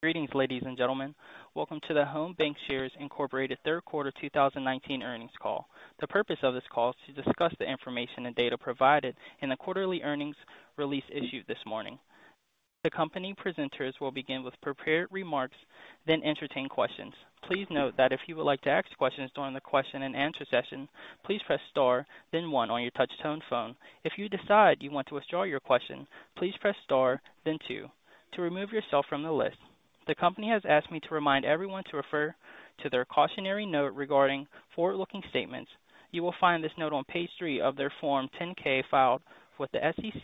Greetings, ladies and gentlemen. Welcome to the Home Bancshares, Inc. third quarter 2019 earnings call. The purpose of this call is to discuss the information and data provided in the quarterly earnings release issued this morning. The company presenters will begin with prepared remarks, then entertain questions. Please note that if you would like to ask questions during the question and answer session, please press star then one on your touch-tone phone. If you decide you want to withdraw your question, please press star then two to remove yourself from the list. The company has asked me to remind everyone to refer to their cautionary note regarding forward-looking statements. You will find this note on page three of their Form 10-K filed with the SEC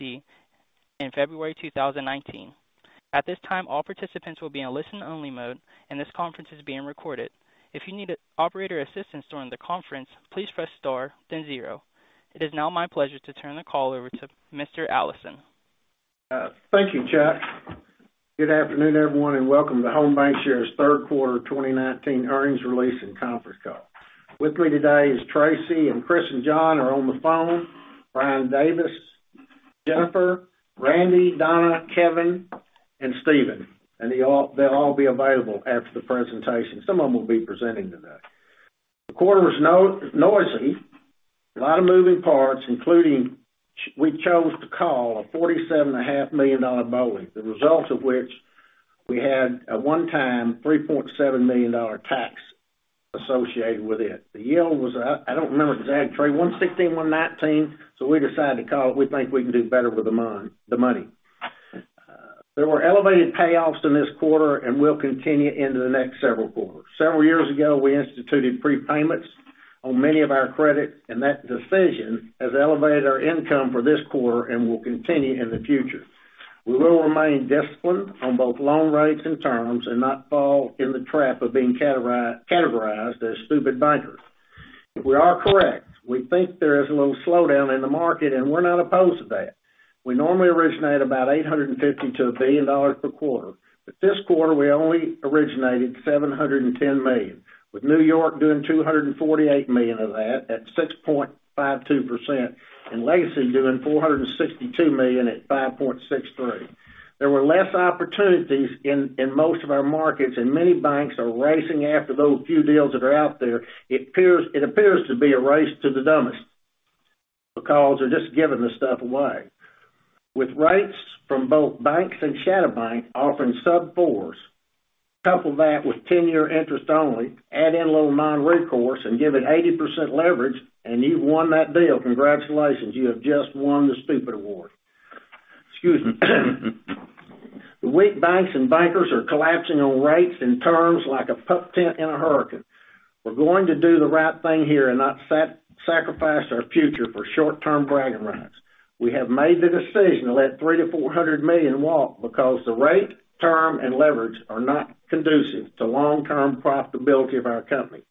in February 2019. At this time, all participants will be in a listen-only mode, and this conference is being recorded. If you need operator assistance during the conference, please press star then zero. It is now my pleasure to turn the call over to Mr. Allison. Thank you, Chuck. Good afternoon, everyone, and welcome to Home Bancshares' third quarter 2019 earnings release and conference call. With me today is Tracy, and Chris and John are on the phone, Brian Davis, Jennifer, Randy, Donna, Kevin, and Stephen. They'll all be available after the presentation. Some of them will be presenting today. The quarter was noisy. A lot of moving parts, including, we chose to call a $47.5 million BOLI, the result of which we had a one-time $3.7 million tax associated with it. The yield was, I don't remember exact, Trey, 116, 119? We decided to call it. We think we can do better with the money. There were elevated payoffs in this quarter and will continue into the next several quarters. Several years ago, we instituted prepayments on many of our credit, and that decision has elevated our income for this quarter and will continue in the future. We will remain disciplined on both loan rates and terms and not fall in the trap of being categorized as stupid bankers. We are correct. We think there is a little slowdown in the market, and we're not opposed to that. We normally originate about $850 to $1 billion per quarter, but this quarter we only originated $710 million, with New York doing $248 million of that at 6.52%, and Legacy doing $462 million at 5.63%. There were less opportunities in most of our markets, and many banks are racing after those few deals that are out there. It appears to be a race to the dumbest, because they're just giving this stuff away. With rates from both banks and shadow banks offering sub fours, couple that with 10-year interest only, add in a little non-recourse and give it 80% leverage, and you've won that deal. Congratulations. You have just won the stupid award. Excuse me. The weak banks and bankers are collapsing on rates and terms like a pup tent in a hurricane. We're going to do the right thing here and not sacrifice our future for short-term bragging rights. We have made the decision to let $300 million-$400 million walk because the rate, term, and leverage are not conducive to long-term profitability of our company.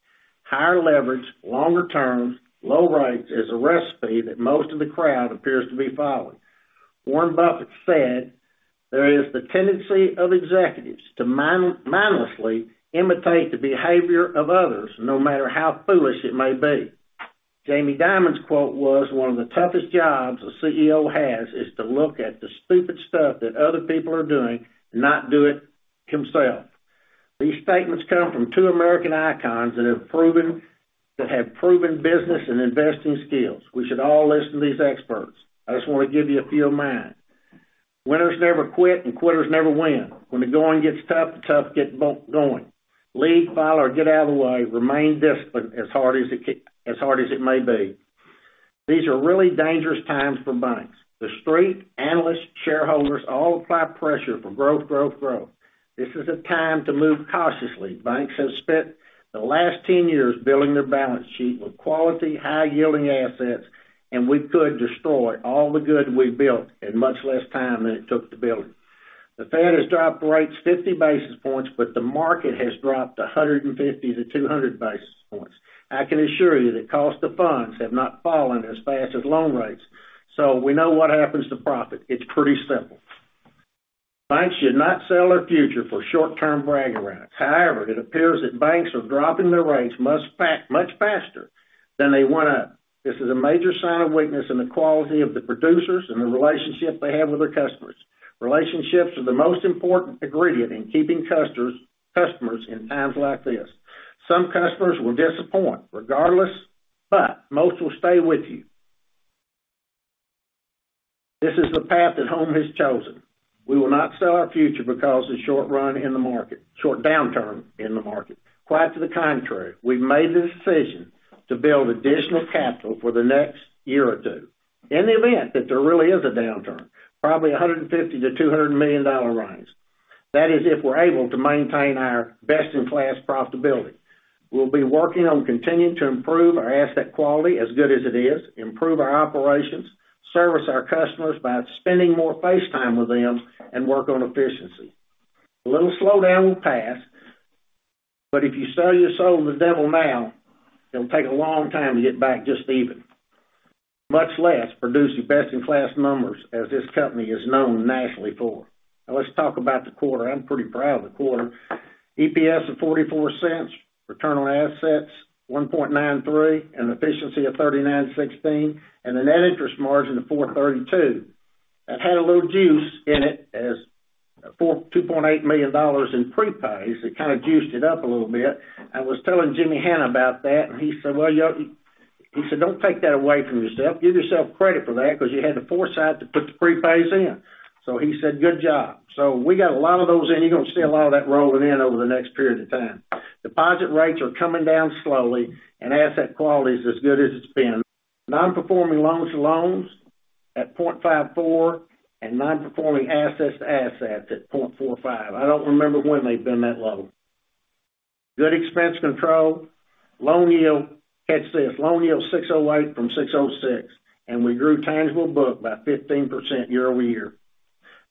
Higher leverage, longer terms, low rates is a recipe that most of the crowd appears to be following. Warren Buffett said, "There is the tendency of executives to mindlessly imitate the behavior of others, no matter how foolish it may be." Jamie Dimon's quote was, "One of the toughest jobs a CEO has is to look at the stupid stuff that other people are doing and not do it himself." These statements come from two American icons that have proven business and investing skills. We should all listen to these experts. I just want to give you a few of mine. Winners never quit and quitters never win. When the going gets tough, the tough get going. Lead, follow, or get out of the way. Remain disciplined as hard as it may be. These are really dangerous times for banks. The street, analysts, shareholders, all apply pressure for growth. This is a time to move cautiously. Banks have spent the last 10 years building their balance sheet with quality, high-yielding assets. We could destroy all the good we've built in much less time than it took to build it. The Fed has dropped rates 50 basis points. The market has dropped 150 to 200 basis points. I can assure you that cost of funds have not fallen as fast as loan rates. We know what happens to profit. It's pretty simple. Banks should not sell their future for short-term brag rights. However, it appears that banks are dropping their rates much faster than they want to. This is a major sign of weakness in the quality of the producers and the relationship they have with their customers. Relationships are the most important ingredient in keeping customers in times like this. Some customers will disappoint regardless. Most will stay with you. This is the path that Home has chosen. We will not sell our future because of short downturn in the market. Quite to the contrary, we've made the decision to build additional capital for the next year or two in the event that there really is a downturn, probably $150 million-$200 million rise. That is, if we're able to maintain our best-in-class profitability. We'll be working on continuing to improve our asset quality as good as it is, improve our operations, service our customers by spending more face time with them, and work on efficiency. A little slowdown will pass, but if you sell your soul to the devil now, it'll take a long time to get back just even. Much less, produce your best-in-class numbers as this company is known nationally for. Now, let's talk about the quarter. I'm pretty proud of the quarter. EPS of $0.44, return on assets, 1.93, and efficiency of 3,916, and a net interest margin of 432. That had a little juice in it as $2.8 million in prepays. It kind of juiced it up a little bit. I was telling Jimmy Hannah about that. He said, "Well, don't take that away from yourself. Give yourself credit for that because you had the foresight to put the prepays in." He said, "Good job." We got a lot of those in. You're going to see a lot of that rolling in over the next period of time. Deposit rates are coming down slowly. Asset quality is as good as it's been. Non-performing loans to loans at 0.54. Non-performing assets to assets at 0.45. I don't remember when they've been that low. Good expense control. Catch this, loan yield 608 from 606, and we grew tangible book by 15% year-over-year.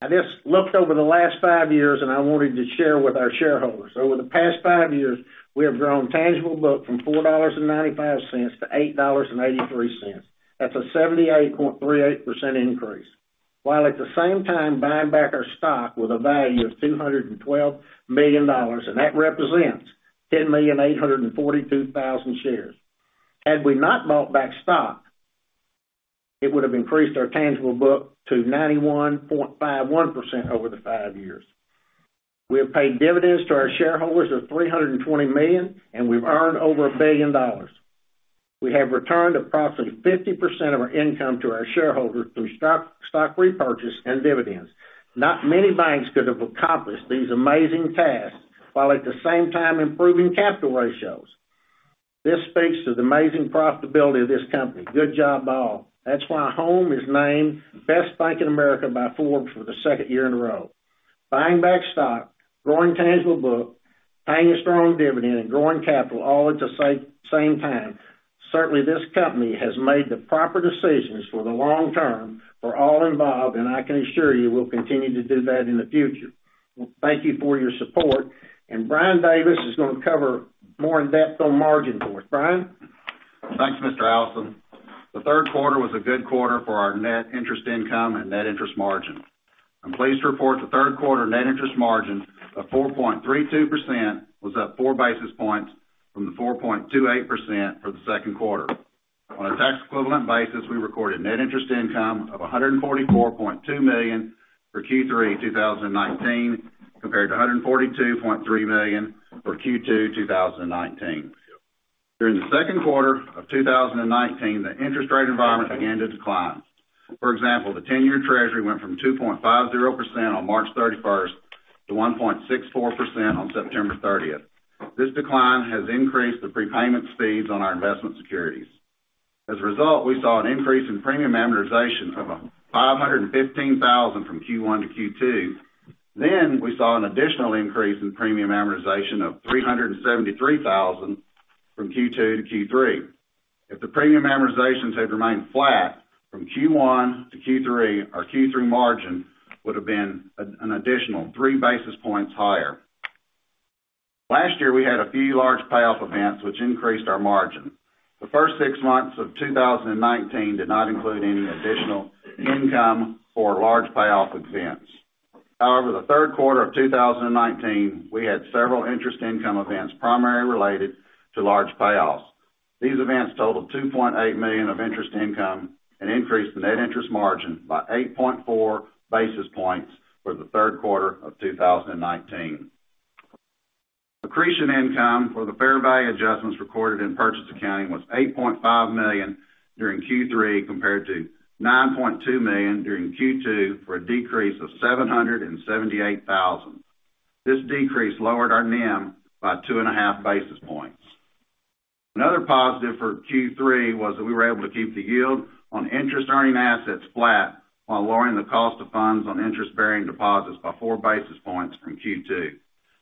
I just looked over the last five years, and I wanted to share with our shareholders. Over the past five years, we have grown tangible book from $4.95 to $8.83. That's a 78.38% increase. While at the same time, buying back our stock with a value of $212 million, and that represents 10,842,000 shares. Had we not bought back stock, it would have increased our tangible book to 91.51% over the five years. We have paid dividends to our shareholders of $320 million, and we've earned over a billion dollars. We have returned approximately 50% of our income to our shareholders through stock repurchase and dividends. Not many banks could have accomplished these amazing tasks, while at the same time improving capital ratios. This speaks to the amazing profitability of this company. Good job, all. That's why Home is named Best Bank in America by Forbes for the second year in a row. Buying back stock, growing tangible book, paying a strong dividend, and growing capital all at the same time. Certainly, this company has made the proper decisions for the long term for all involved, and I can assure you we'll continue to do that in the future. Thank you for your support. Brian Davis is going to cover more in-depth on margin for us. Brian? Thanks, Mr. Allison. The third quarter was a good quarter for our net interest income and net interest margin. I'm pleased to report the third quarter net interest margin of 4.32% was up four basis points from the 4.28% for the second quarter. On a tax equivalent basis, we recorded net interest income of $144.2 million for Q3 2019, compared to $142.3 million for Q2 2019. During the second quarter of 2019, the interest rate environment began to decline. For example, the 10-year Treasury went from 2.50% on March 31st to 1.64% on September 30th. This decline has increased the prepayment speeds on our investment securities. As a result, we saw an increase in premium amortization of $515,000 from Q1 to Q2. We saw an additional increase in premium amortization of $373,000 from Q2 to Q3. If the premium amortizations had remained flat from Q1 to Q3, our Q3 margin would have been an additional three basis points higher. Last year, we had a few large payoff events, which increased our margin. The first six months of 2019 did not include any additional income for large payoff events. The third quarter of 2019, we had several interest income events, primarily related to large payoffs. These events totaled $2.8 million of interest income and increased the net interest margin by 8.4 basis points for the third quarter of 2019. Accretion income for the fair value adjustments recorded in purchase accounting was $8.5 million during Q3, compared to $9.2 million during Q2, for a decrease of $778,000. This decrease lowered our NIM by two and a half basis points. Another positive for Q3 was that we were able to keep the yield on interest-earning assets flat while lowering the cost of funds on interest-bearing deposits by four basis points from Q2.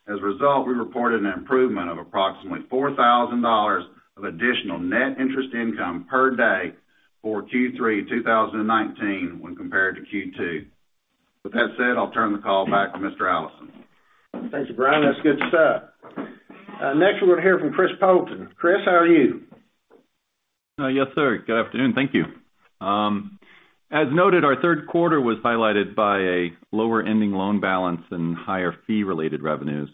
As a result, we reported an improvement of approximately $4,000 of additional net interest income per day for Q3 2019 when compared to Q2. With that said, I'll turn the call back to Mr. Allison. Thank you, Brian. That's good stuff. Next, we're going to hear from Chris Poulton. Chris, how are you? Yes, sir. Good afternoon. Thank you. As noted, our third quarter was highlighted by a lower ending loan balance and higher fee related revenues.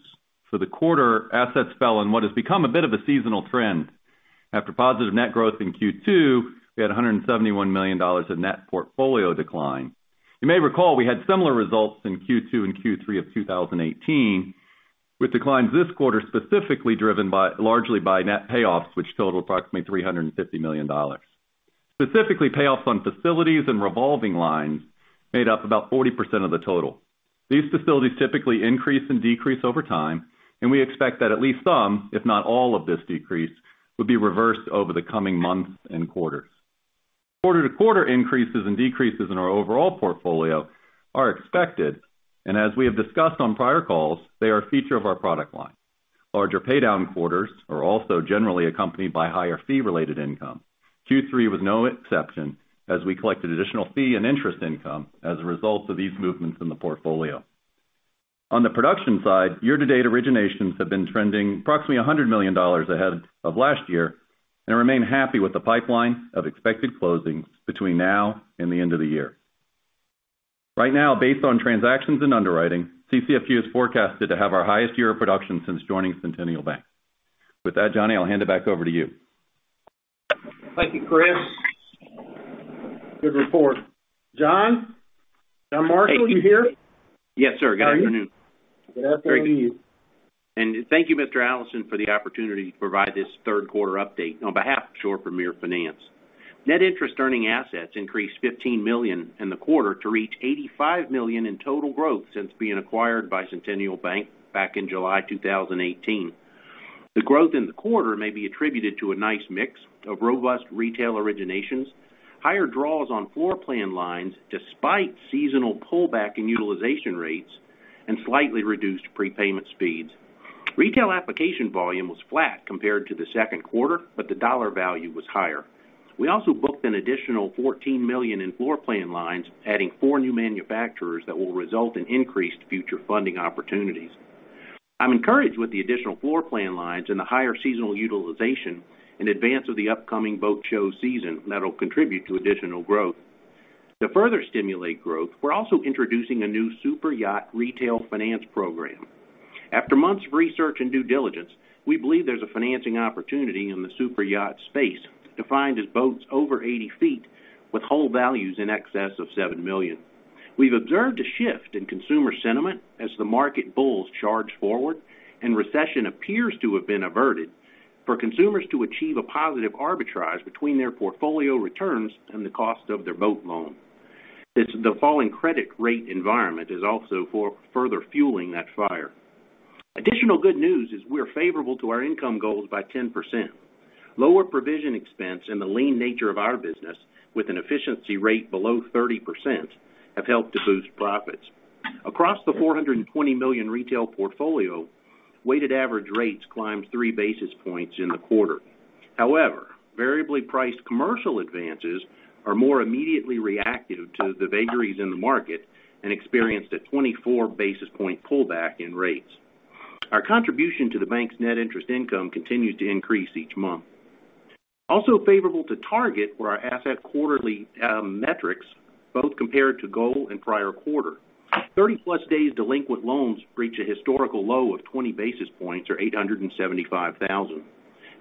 For the quarter, assets fell in what has become a bit of a seasonal trend. After positive net growth in Q2, we had $171 million of net portfolio decline. You may recall we had similar results in Q2 and Q3 of 2018, with declines this quarter specifically driven largely by net payoffs, which totaled approximately $350 million. Specifically, payoffs on facilities and revolving lines made up about 40% of the total. These facilities typically increase and decrease over time, and we expect that at least some, if not all of this decrease, would be reversed over the coming months and quarters. Quarter-to-quarter increases and decreases in our overall portfolio are expected, and as we have discussed on prior calls, they are a feature of our product line. Larger paydown quarters are also generally accompanied by higher fee-related income. Q3 was no exception, as we collected additional fee and interest income as a result of these movements in the portfolio. On the production side, year-to-date originations have been trending approximately $100 million ahead of last year and remain happy with the pipeline of expected closings between now and the end of the year. Right now, based on transactions and underwriting, CCFG is forecasted to have our highest year of production since joining Centennial Bank. With that, Johnny, I'll hand it back over to you. Thank you, Chris. Good report. John? John Marshall, are you here? Yes, sir. Good afternoon. Good afternoon. Thank you, Mr. Allison, for the opportunity to provide this third quarter update on behalf of Shore Premier Finance. Net interest earning assets increased $15 million in the quarter to reach $85 million in total growth since being acquired by Centennial Bank back in July 2018. The growth in the quarter may be attributed to a nice mix of robust retail originations, higher draws on floor plan lines despite seasonal pullback in utilization rates, and slightly reduced prepayment speeds. Retail application volume was flat compared to the second quarter, but the dollar value was higher. We also booked an additional $14 million in floor plan lines, adding four new manufacturers that will result in increased future funding opportunities. I'm encouraged with the additional floor plan lines and the higher seasonal utilization in advance of the upcoming boat show season that'll contribute to additional growth. To further stimulate growth, we're also introducing a new super yacht retail finance program. After months of research and due diligence, we believe there's a financing opportunity in the super yacht space, defined as boats over 80 feet with hull values in excess of $7 million. We've observed a shift in consumer sentiment as the market bulls charge forward and recession appears to have been averted for consumers to achieve a positive arbitrage between their portfolio returns and the cost of their boat loan. The falling credit rate environment is also further fueling that fire. Additional good news is we're favorable to our income goals by 10%. Lower provision expense and the lean nature of our business, with an efficiency rate below 30%, have helped to boost profits. Across the $420 million retail portfolio, weighted average rates climbed three basis points in the quarter. Variably priced commercial advances are more immediately reactive to the vagaries in the market and experienced a 24 basis points pullback in rates. Our contribution to the bank's net interest income continues to increase each month. Favorable to target were our asset quarterly metrics, both compared to goal and prior quarter. 30-plus days delinquent loans reached a historical low of 20 basis points or $875,000.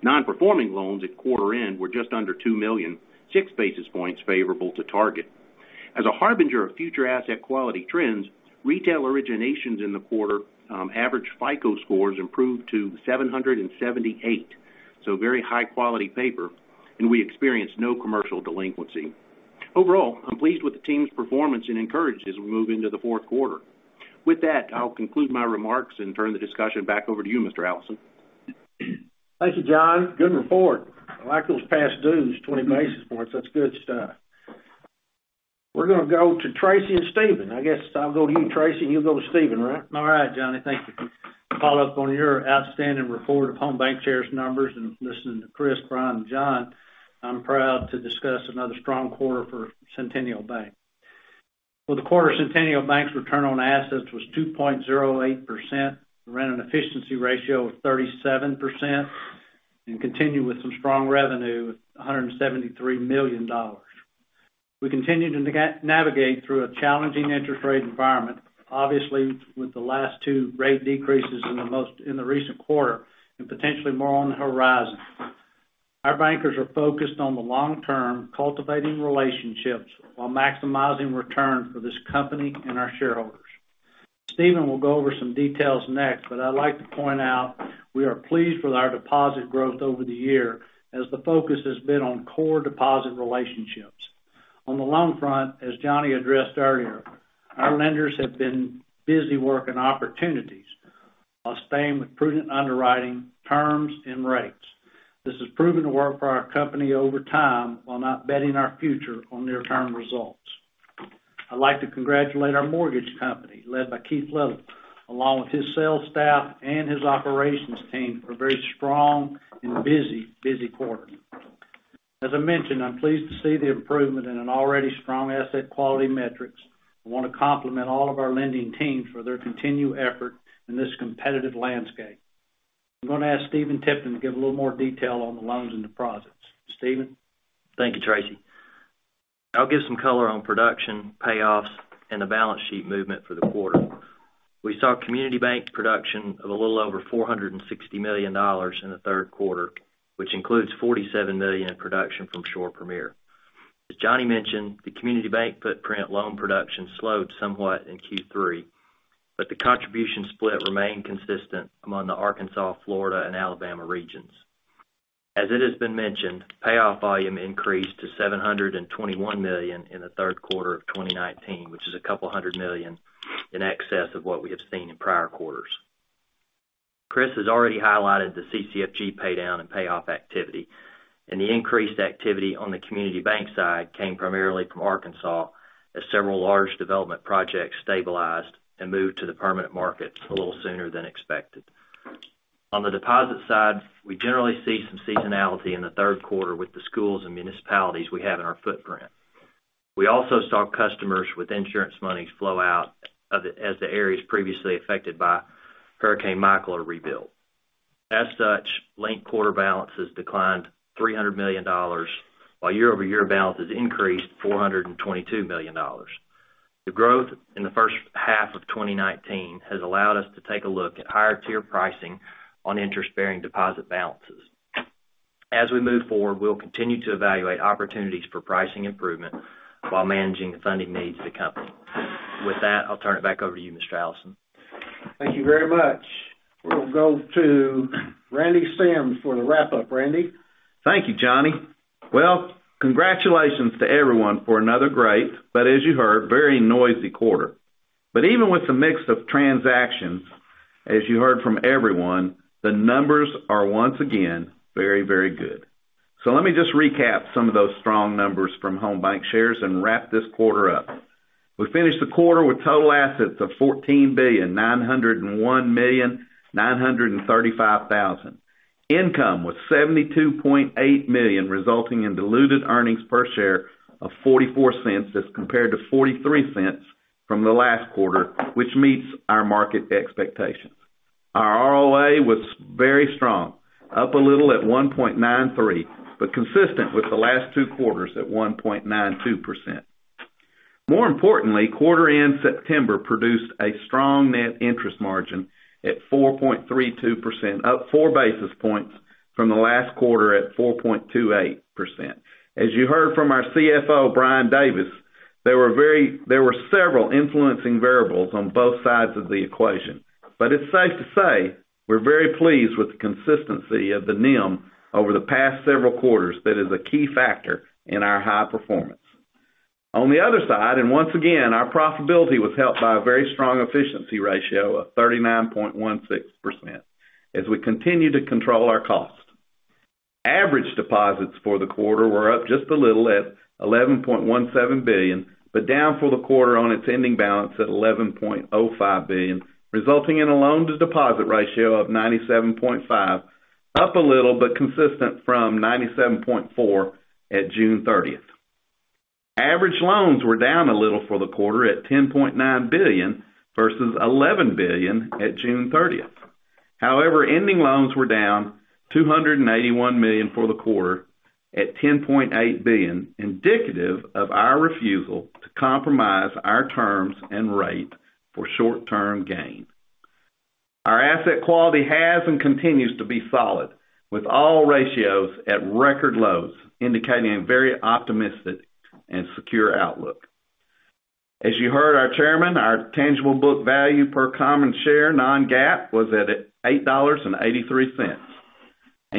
Non-performing loans at quarter end were just under $2 million, six basis points favorable to target. A harbinger of future asset quality trends, retail originations in the quarter average FICO scores improved to 778, so very high-quality paper, and we experienced no commercial delinquency. I'm pleased with the team's performance and encouraged as we move into the fourth quarter. With that, I'll conclude my remarks and turn the discussion back over to you, Mr. Allison. Thank you, John. Good report. I like those past dues, 20 basis points. That's good stuff. We're going to go to Tracy and Stephen. I guess I'll go to you, Tracy, and you'll go to Stephen, right? All right, John. Thank you. Follow up on your outstanding report of Home Bancshares numbers and listening to Chris, Brian, and John, I'm proud to discuss another strong quarter for Centennial Bank. For the quarter, Centennial Bank's return on assets was 2.08%. We ran an efficiency ratio of 37% and continue with some strong revenue at $173 million. We continue to navigate through a challenging interest rate environment, obviously, with the last two rate decreases in the recent quarter and potentially more on the horizon. Our bankers are focused on the long term, cultivating relationships while maximizing return for this company and our shareholders. Stephen will go over some details next, but I'd like to point out we are pleased with our deposit growth over the year as the focus has been on core deposit relationships. On the loan front, as Johnny addressed earlier, our lenders have been busy working opportunities while staying with prudent underwriting terms and rates. This has proven to work for our company over time while not betting our future on near-term results. I'd like to congratulate our mortgage company, led by Keith Little, along with his sales staff and his operations team, for a very strong and busy quarter. As I mentioned, I'm pleased to see the improvement in an already strong asset quality metrics. I want to compliment all of our lending teams for their continued effort in this competitive landscape. I'm going to ask Stephen Tipton to give a little more detail on the loans and deposits. Stephen? Thank you, Tracy. I'll give some color on production, payoffs, and the balance sheet movement for the quarter. We saw community bank production of a little over $460 million in the third quarter, which includes $47 million in production from Shore Premier. As Johnny mentioned, the community bank footprint loan production slowed somewhat in Q3, but the contribution split remained consistent among the Arkansas, Florida, and Alabama regions. As it has been mentioned, payoff volume increased to $721 million in the third quarter of 2019, which is $200 million in excess of what we have seen in prior quarters. Chris has already highlighted the CCFG paydown and payoff activity, and the increased activity on the community bank side came primarily from Arkansas, as several large development projects stabilized and moved to the permanent markets a little sooner than expected. On the deposit side, we generally see some seasonality in the third quarter with the schools and municipalities we have in our footprint. We also saw customers with insurance monies flow out of as the areas previously affected by Hurricane Michael are rebuilt. As such, linked quarter balances declined $300 million, while year-over-year balances increased $422 million. The growth in the first half of 2019 has allowed us to take a look at higher tier pricing on interest-bearing deposit balances. As we move forward, we'll continue to evaluate opportunities for pricing improvement while managing the funding needs of the company. With that, I'll turn it back over to you, Mr. Allison. Thank you very much. We'll go to Randy Sims for the wrap-up. Randy? Thank you, Johnny. Congratulations to everyone for another great, as you heard, very noisy quarter. Even with the mix of transactions, as you heard from everyone, the numbers are once again very, very good. Let me just recap some of those strong numbers from Home Bancshares and wrap this quarter up. We finished the quarter with total assets of $14,901,935,000. Income was $72.8 million, resulting in diluted earnings per share of $0.44 as compared to $0.43 from the last quarter, which meets our market expectations. Our ROA was very strong, up a little at 1.93%, but consistent with the last two quarters at 1.92%. More importantly, quarter end September produced a strong net interest margin at 4.32%, up four basis points from the last quarter at 4.28%. As you heard from our CFO, Brian Davis, there were several influencing variables on both sides of the equation. It's safe to say, we're very pleased with the consistency of the NIM over the past several quarters. That is a key factor in our high performance. On the other side, once again, our profitability was helped by a very strong efficiency ratio of 39.16% as we continue to control our cost. Average deposits for the quarter were up just a little at $11.17 billion, but down for the quarter on its ending balance at $11.05 billion, resulting in a loan-to-deposit ratio of 97.5%, up a little, but consistent from 97.4% at June 30th. Average loans were down a little for the quarter at $10.9 billion versus $11 billion at June 30th. However, ending loans were down $281 million for the quarter at $10.8 billion, indicative of our refusal to compromise our terms and rate for short-term gain. Our asset quality has and continues to be solid, with all ratios at record lows, indicating a very optimistic and secure outlook. As you heard our Chairman, our tangible book value per common share non-GAAP was at $8.83.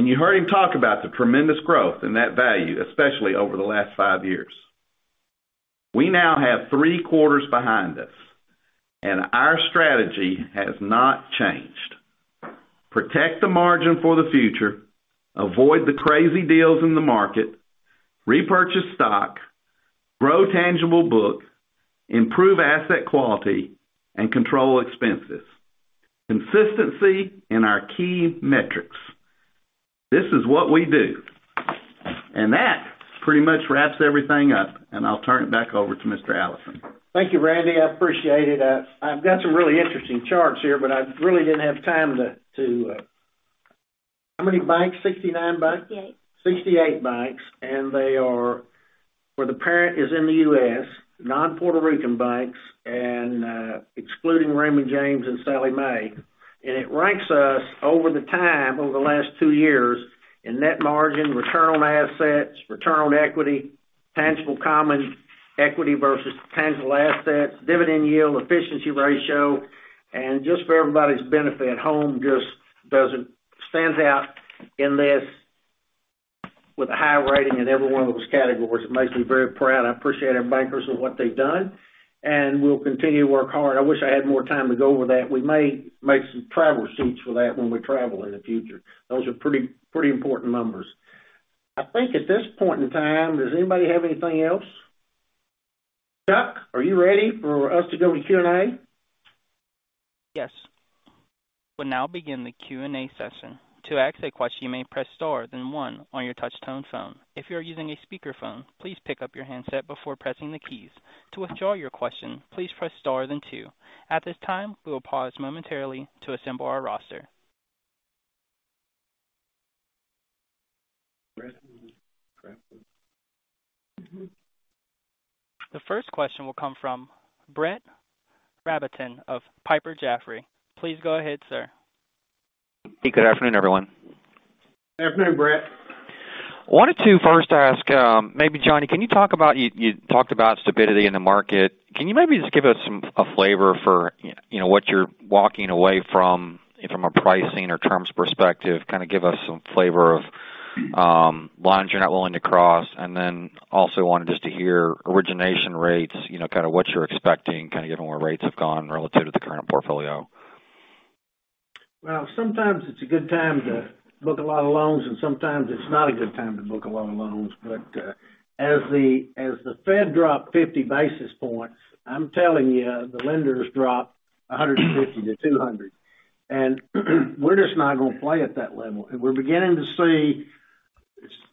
You heard him talk about the tremendous growth in that value, especially over the last five years. We now have three quarters behind us, and our strategy has not changed. Protect the margin for the future, avoid the crazy deals in the market, repurchase stock, grow tangible book, improve asset quality, and control expenses. Consistency in our key metrics. This is what we do. That pretty much wraps everything up, and I'll turn it back over to Mr. Allison. Thank you, Randy. I appreciate it. I've got some really interesting charts here, but I really didn't have time to How many banks, 69 banks? 68. 68 banks, they are where the parent is in the U.S., non-Puerto Rican banks, excluding Raymond James and Sallie Mae. It ranks us over the time, over the last two years in net margin, return on assets, return on equity, tangible common, equity versus tangible assets, dividend yield, efficiency ratio. Just for everybody's benefit, Home just stands out in this with a high rating in every one of those categories. It makes me very proud. I appreciate our bankers and what they've done, and we'll continue to work hard. I wish I had more time to go over that. We may make some travel sheets for that when we travel in the future. Those are pretty important numbers. I think at this point in time, does anybody have anything else? Chuck, are you ready for us to go to Q&A? Yes. We'll now begin the Q&A session. To ask a question, you may press star, then one on your touch tone phone. If you are using a speakerphone, please pick up your handset before pressing the keys. To withdraw your question, please press star, then two. At this time, we will pause momentarily to assemble our roster. Brett Rabatin. The first question will come from Brett Rabatin of Piper Jaffray. Please go ahead, sir. Good afternoon, everyone. Afternoon, Brett. Wanted to first ask, maybe Johnny, can you talk about, you talked about stability in the market. Can you maybe just give us a flavor for what you're walking away from a pricing or terms perspective, kind of give us some flavor of lines you're not willing to cross? Also wanted just to hear origination rates, kind of what you're expecting, kind of given where rates have gone relative to the current portfolio. Well, sometimes it's a good time to book a lot of loans, sometimes it's not a good time to book a lot of loans. As the Fed dropped 50 basis points, I'm telling you, the lenders dropped 150 to 200, we're just not going to play at that level. We're beginning to see,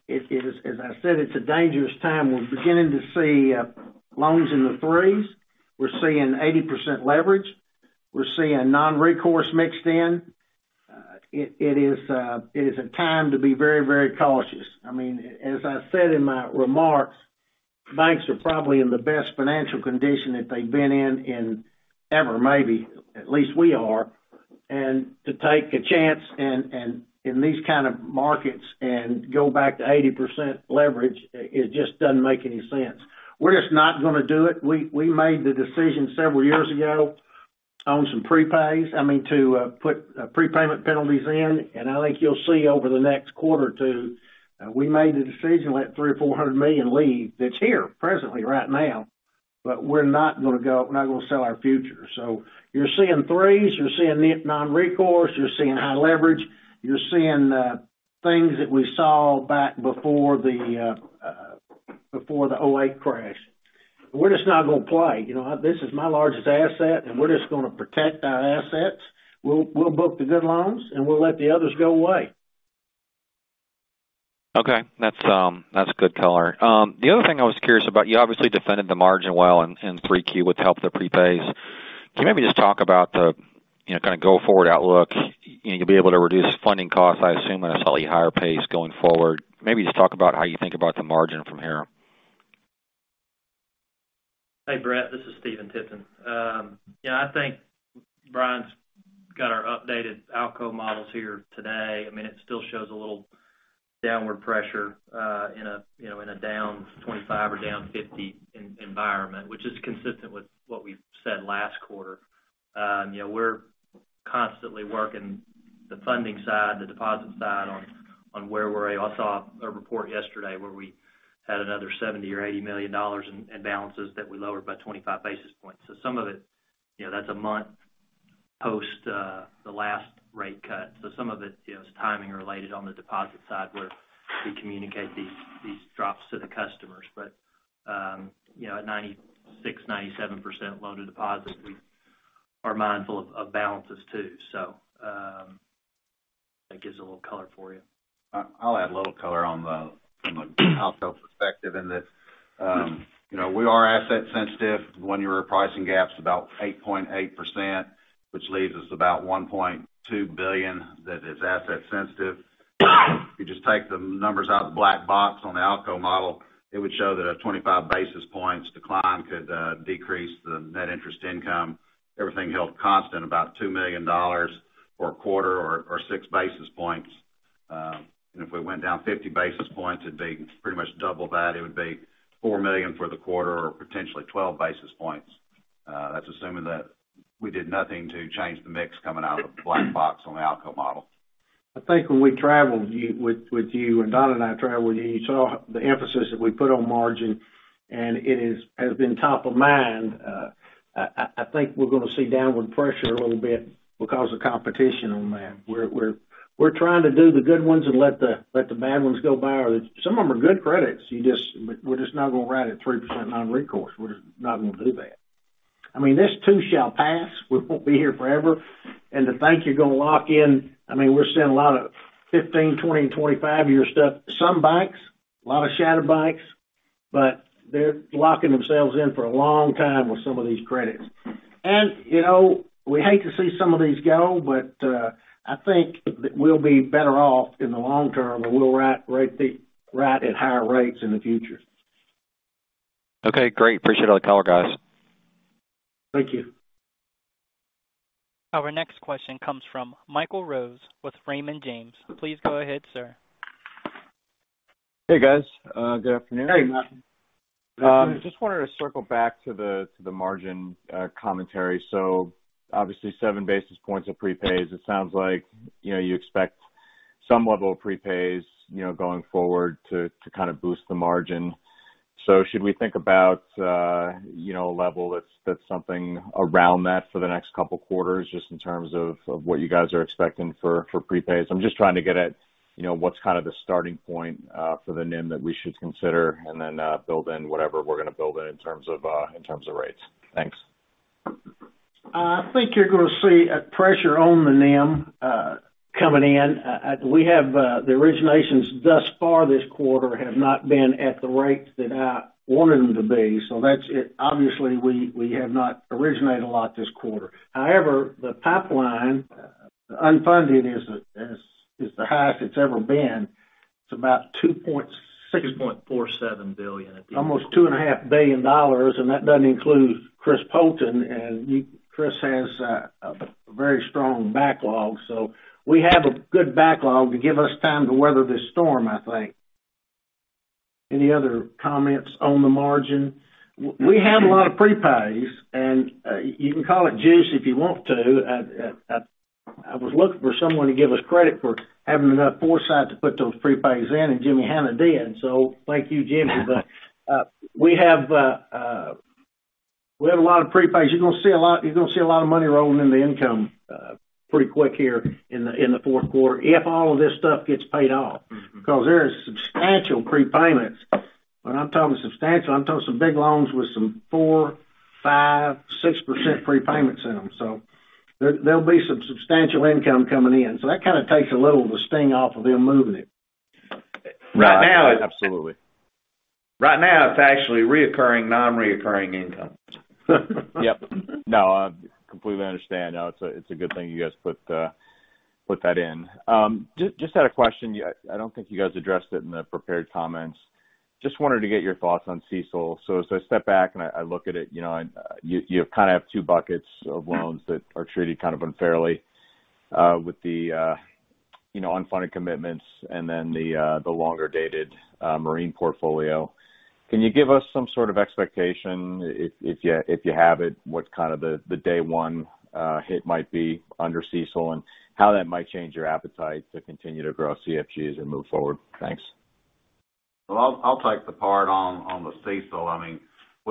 as I said, it's a dangerous time. We're beginning to see loans in the threes. We're seeing 80% leverage. We're seeing non-recourse mixed in. It is a time to be very, very cautious. As I said in my remarks, banks are probably in the best financial condition that they've been in, ever, maybe. At least we are. To take a chance in these kind of markets and go back to 80% leverage, it just doesn't make any sense. We're just not going to do it. We made the decision several years ago on some prepays, to put prepayment penalties in, and I think you'll see over the next quarter or two, we made the decision to let $300 million or $400 million leave. That's here presently right now, but we're not going to sell our future. You're seeing threes, you're seeing non-recourse, you're seeing high leverage, you're seeing things that we saw back before the '08 crash. We're just not going to play. This is my largest asset, and we're just going to protect our assets. We'll book the good loans, and we'll let the others go away. Okay. That's good color. The other thing I was curious about, you obviously defended the margin well in 3Q with the help of the prepays. Can you maybe just talk about the go forward outlook? You'll be able to reduce funding costs, I assume, at a slightly higher pace going forward. Maybe just talk about how you think about the margin from here. Hey, Brett. This is Stephen Tipton. I think Brian's got our updated ALCO models here today. It still shows a little downward pressure in a down 25 or down 50 environment, which is consistent with what we said last quarter. We're constantly working the funding side, the deposit side on where we're at. I saw a report yesterday where we had another $70 million or $80 million in balances that we lowered by 25 basis points. Some of it, that's a month post the last rate cut. Some of it is timing related on the deposit side, where we communicate these drops to the customers. At 96%, 97% loan to deposit, we are mindful of balances too. That gives a little color for you. I'll add a little color on the ALCO perspective in that we are asset sensitive. One-year pricing gap's about 8.8%, which leaves us about $1.2 billion that is asset sensitive. If you just take the numbers out of the black box on the ALCO model, it would show that a 25 basis points decline could decrease the net interest income, everything held constant, about $2 million for a quarter or six basis points. If we went down 50 basis points, it'd be pretty much double that. It would be $4 million for the quarter, or potentially 12 basis points. That's assuming that we did nothing to change the mix coming out of the black box on the ALCO model. I think when we traveled with you, when Don and I traveled with you saw the emphasis that we put on margin, and it has been top of mind. I think we're going to see downward pressure a little bit because of competition on that. We're trying to do the good ones and let the bad ones go by. Some of them are good credits, we're just not going to write at 3% non-recourse. We're just not going to do that. This too shall pass. We won't be here forever. To think you're going to lock in, we're seeing a lot of 15, 20, and 25 year stuff. Some banks, a lot of shadow banks, but they're locking themselves in for a long time with some of these credits. We hate to see some of these go, but I think that we'll be better off in the long term, and we'll write at higher rates in the future. Okay, great. Appreciate all the color, guys. Thank you. Our next question comes from Michael Rose with Raymond James. Please go ahead, sir. Hey, guys. Good afternoon. Hey, Michael. Just wanted to circle back to the margin commentary. Obviously, seven basis points of prepays. It sounds like you expect some level of prepays going forward to kind of boost the margin. Should we think about a level that's something around that for the next couple quarters, just in terms of what you guys are expecting for prepays? I'm just trying to get at what's kind of the starting point for the NIM that we should consider, and then build in whatever we're going to build in terms of rates. Thanks. I think you're going to see a pressure on the NIM coming in. The originations thus far this quarter have not been at the rates that I wanted them to be, so obviously, we have not originated a lot this quarter. However, the pipeline unfunded is the highest it's ever been. It's about two point- $6.47 billion at the end of the quarter. almost $2.5 billion, and that doesn't include Chris Poulton, and Chris has a very strong backlog. We have a good backlog to give us time to weather this storm, I think. Any other comments on the margin? We have a lot of prepays, and you can call it juice if you want to. I was looking for someone to give us credit for having enough foresight to put those prepays in, and Jimmy Hannah did. Thank you, Jimmy. We have a lot of prepays. You're going to see a lot of money rolling in the income pretty quick here in the fourth quarter, if all of this stuff gets paid off. There is substantial prepayments. When I'm talking substantial, I'm talking some big loans with some 4%, 5%, 6% prepayments in them. There'll be some substantial income coming in. That kind of takes a little of the sting off of them moving it. Right now- Absolutely Right now it's actually reoccurring non-reoccurring income. Yep. No, I completely understand. No, it's a good thing you guys put that in. I just had a question. I don't think you guys addressed it in the prepared comments. I just wanted to get your thoughts on CECL. As I step back and I look at it, you kind of have two buckets of loans that are treated kind of unfairly, with the unfunded commitments and then the longer-dated marine portfolio. Can you give us some sort of expectation, if you have it, what kind of the day one hit might be under CECL, and how that might change your appetite to continue to grow CCFGs as you move forward? Thanks. I'll take the part on the CECL.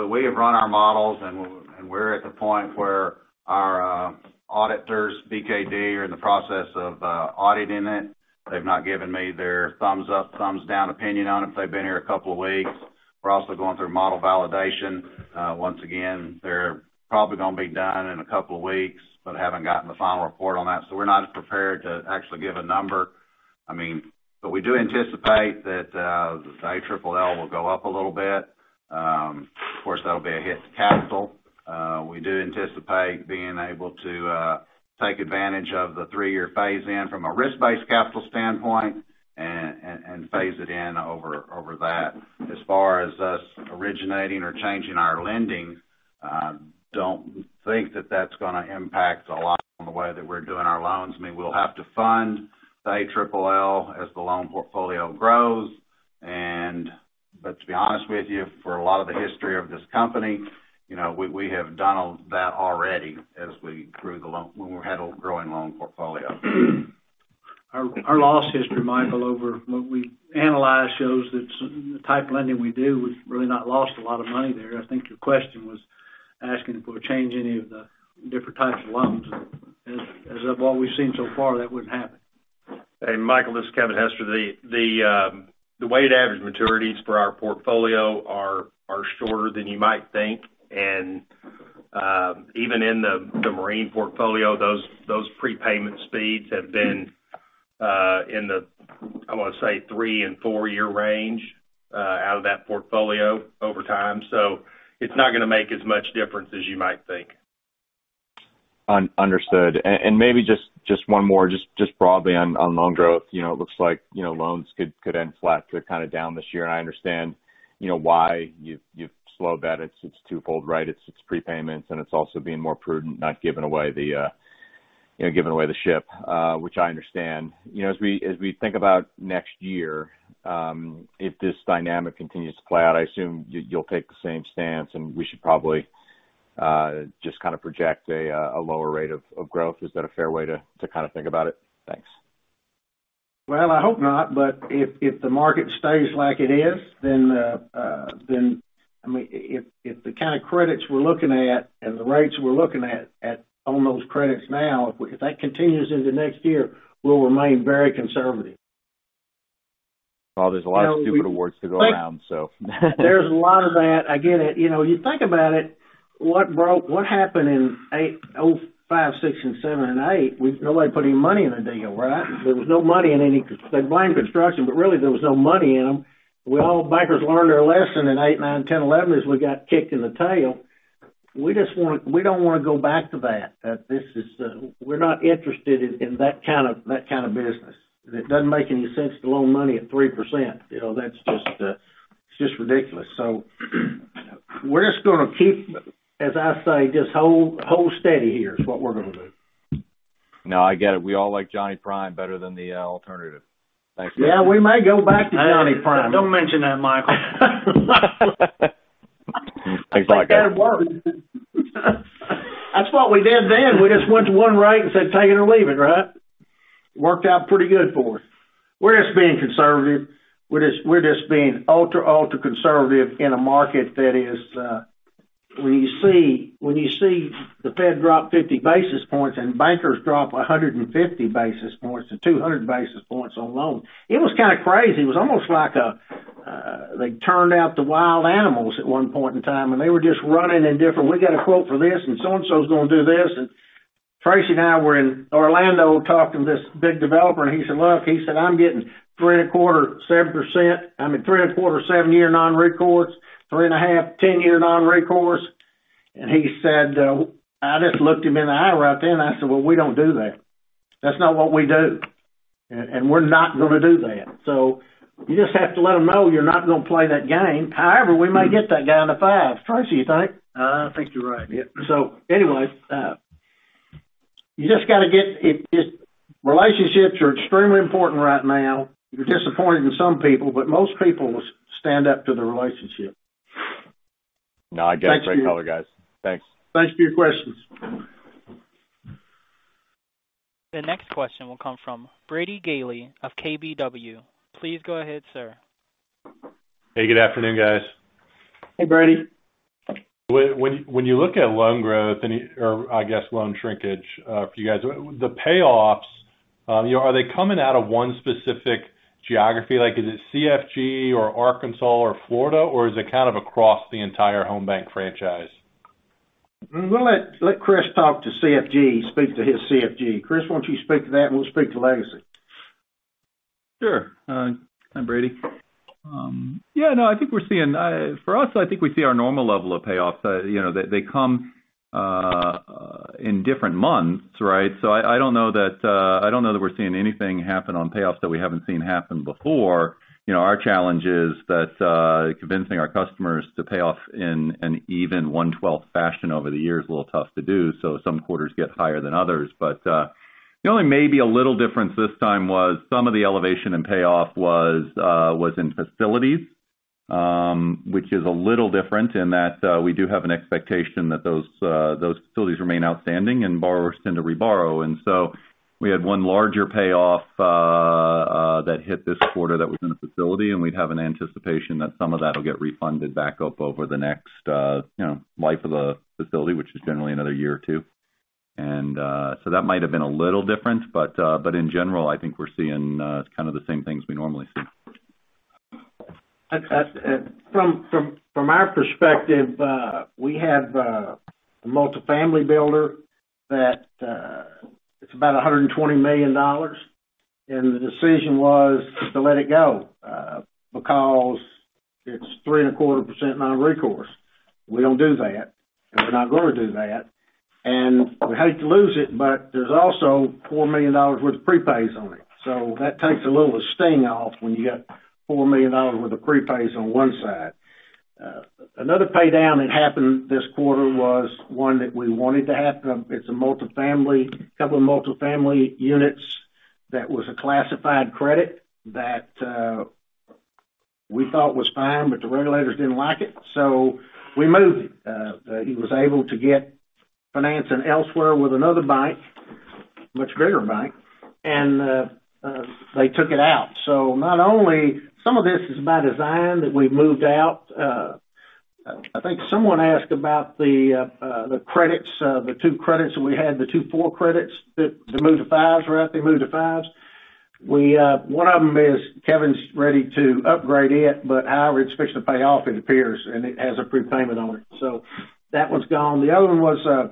We have run our models, and we're at the point where our auditors, BKD, are in the process of auditing it. They've not given me their thumbs up, thumbs down opinion on it. They've been here a couple of weeks. We're also going through model validation. Once again, they're probably going to be done in a couple of weeks, but haven't gotten the final report on that. We're not prepared to actually give a number. We do anticipate that the ALLL will go up a little bit. Of course, that'll be a hit to capital. We do anticipate being able to take advantage of the three-year phase-in from a risk-based capital standpoint and phase it in over that. As far as us originating or changing our lending, don't think that that's going to impact a lot on the way that we're doing our loans. We'll have to fund the ALLL as the loan portfolio grows and to be honest with you, for a lot of the history of this company, we have done all that already as we grew the loan, when we had a growing loan portfolio. Our loss history, Michael, over what we analyzed shows that the type of lending we do, we've really not lost a lot of money there. I think your question was asking if we'll change any of the different types of loans. As of what we've seen so far, that wouldn't happen. Hey, Michael, this is Kevin Hester. The weighted average maturities for our portfolio are shorter than you might think, and even in the marine portfolio, those prepayment speeds have been in the, I want to say, three and four-year range out of that portfolio over time. It's not going to make as much difference as you might think. Understood. Maybe just one more, just broadly on loan growth. It looks like loans could end flat. They're kind of down this year, and I understand why you've slowed that. It's twofold, right? It's prepayments and it's also being more prudent, not giving away the ship, which I understand. As we think about next year, if this dynamic continues to play out, I assume you'll take the same stance, and we should probably just kind of project a lower rate of growth. Is that a fair way to think about it? Thanks. I hope not, but if the market stays like it is, then if the kind of credits we're looking at and the rates we're looking at on those credits now, if that continues into next year, we'll remain very conservative. Oh, there's a lot of stupid awards to go around. There's a lot of that. I get it. You think about it, what happened in 2005, 2006, and 2007, and 2008, nobody put any money in the deal, right? There was no money in any. They blamed construction, but really there was no money in them. We all, bankers learned their lesson in 2008, 2009, 2010, 2011 as we got kicked in the tail. We don't want to go back to that. We're not interested in that kind of business. It doesn't make any sense to loan money at 3%. That's just ridiculous. We're just going to keep, as I say, just hold steady here is what we're going to do. No, I get it. We all like Johnny Prime better than the alternative. Thanks. Yeah, we may go back to Johnny Prime. Don't mention that, Michael. Thanks a lot, guys. That's what we did then. We just went to one rate and said, "Take it or leave it," right? Worked out pretty good for us. We're just being conservative. We're just being ultra conservative in a market. When you see the Fed drop 50 basis points and bankers drop 150 basis points to 200 basis points on loans, it was kind of crazy. It was almost like they turned out the wild animals at one point in time, and they were just running in different, "We got a quote for this," and so-and-so's going to do this. Tracy and I were in Orlando talking to this big developer, and he said, "Look," he said, "I'm getting three and a quarter, 7%. I mean three and a quarter, seven-year non-recourse, three and a half, 10-year non-recourse." He said, I just looked him in the eye right then, I said, "Well, we don't do that. That's not what we do, and we're not going to do that." You just have to let them know you're not going to play that game. However, we may get that guy on the five. Tracy, you think? I think you're right. Yep. Anyway, relationships are extremely important right now. You're disappointed in some people. Most people stand up to the relationship. No, I get it. Great color, guys. Thanks. Thanks for your questions. The next question will come from Brady Gailey of KBW. Please go ahead, sir. Hey, good afternoon, guys. Hey, Brady. When you look at loan growth or I guess loan shrinkage for you guys, the payoffs, are they coming out of one specific geography? Is it CFG or Arkansas or Florida, or is it kind of across the entire Home Banc franchise? We're going to let Chris talk to CFG, speak to his CFG. Chris, why don't you speak to that, and we'll speak to Legacy. Sure. Hi, Brady. Yeah, no, for us, I think we see our normal level of payoffs. They come in different months, right? I don't know that we're seeing anything happen on payoffs that we haven't seen happen before. Our challenge is that convincing our customers to pay off in an even one-twelfth fashion over the year is a little tough to do, so some quarters get higher than others. The only, maybe a little difference this time was some of the elevation in payoff was in facilities, which is a little different in that we do have an expectation that those facilities remain outstanding and borrowers tend to reborrow. We had one larger payoff that hit this quarter that was in a facility, and we'd have an anticipation that some of that'll get refunded back up over the next life of the facility, which is generally another year or two. That might have been a little different, but in general, I think we're seeing kind of the same things we normally see. From our perspective, we have a multifamily builder that it's about $120 million. The decision was to let it go because it's 3.25% non-recourse. We don't do that. We're not going to do that. We hate to lose it, but there's also $4 million worth of prepays on it. That takes a little of the sting off when you got $4 million worth of prepays on one side. Another paydown that happened this quarter was one that we wanted to happen. It's a couple of multifamily units that was a classified credit that we thought was fine. The regulators didn't like it. We moved it. He was able to get financing elsewhere with another bank, much greater bank. They took it out. Some of this is by design that we've moved out. I think someone asked about the two credits that we had, the two four credits that moved to fives, right? They moved to fives. However, it's fixing to pay off, it appears, and it has a prepayment on it. That one's gone. The other one was a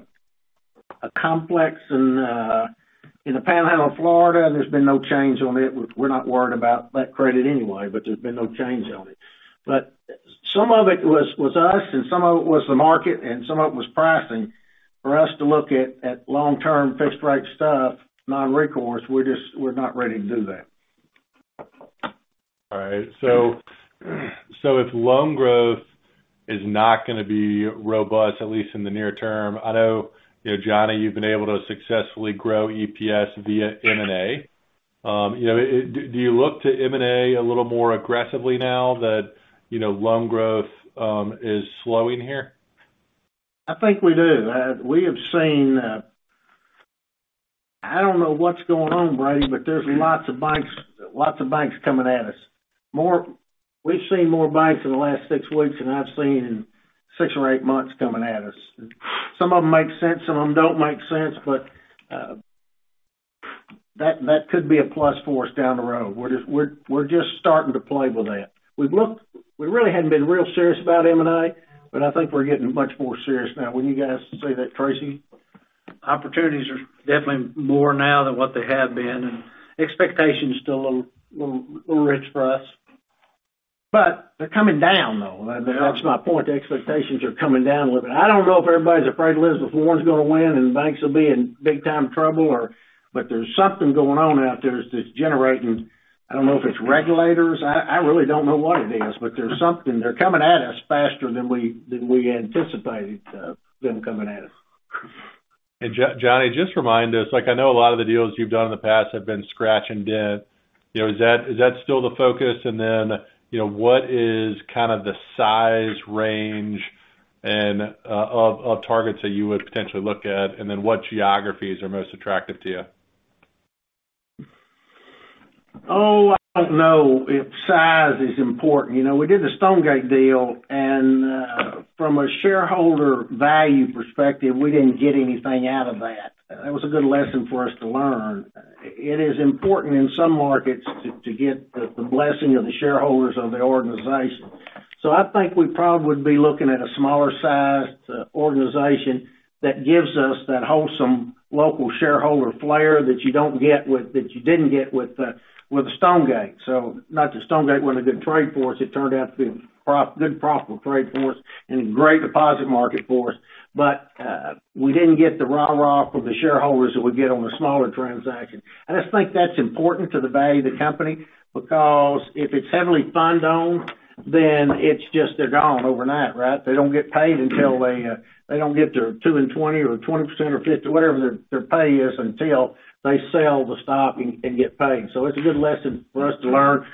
complex in the Panhandle of Florida, there's been no change on it. We're not worried about that credit anyway, there's been no change on it. Some of it was us, and some of it was the market, and some of it was pricing for us to look at long-term fixed rate stuff, non-recourse. We're not ready to do that. All right. If loan growth is not going to be robust, at least in the near term, I know Johnny, you've been able to successfully grow EPS via M&A. Do you look to M&A a little more aggressively now that loan growth is slowing here? I think we do. I don't know what's going on, Brady, there's lots of banks coming at us. We've seen more banks in the last six weeks than I've seen in six or eight months coming at us. Some of them make sense, some of them don't make sense, but that could be a plus for us down the road. We're just starting to play with that. We really hadn't been real serious about M&A, but I think we're getting much more serious now. Wouldn't you guys say that, Tracy? Opportunities are definitely more now than what they have been, expectation's still a little rich for us. They're coming down, though. That's my point. The expectations are coming down a little bit. I don't know if everybody's afraid Elizabeth Warren's going to win and banks will be in big time trouble, but there's something going on out there that's generating. I don't know if it's regulators. I really don't know what it is, but there's something. They're coming at us faster than we anticipated them coming at us. Johnny, just remind us, I know a lot of the deals you've done in the past have been scratch and dent. Is that still the focus? What is kind of the size range of targets that you would potentially look at, and then what geographies are most attractive to you? I don't know if size is important. We did the Stonegate deal. From a shareholder value perspective, we didn't get anything out of that. That was a good lesson for us to learn. It is important in some markets to get the blessing of the shareholders of the organization. I think we probably would be looking at a smaller sized organization that gives us that wholesome local shareholder flair that you didn't get with Stonegate. Not that Stonegate wasn't a good trade for us. It turned out to be a good profitable trade for us and a great deposit market for us. We didn't get the rah-rah from the shareholders that we get on a smaller transaction. I think that's important to the value of the company because if it's heavily fund-owned, then it's just they're gone overnight, right? They don't get their two and 20 or 20% or 50, whatever their pay is until they sell the stock and get paid. It's a good lesson for us to learn.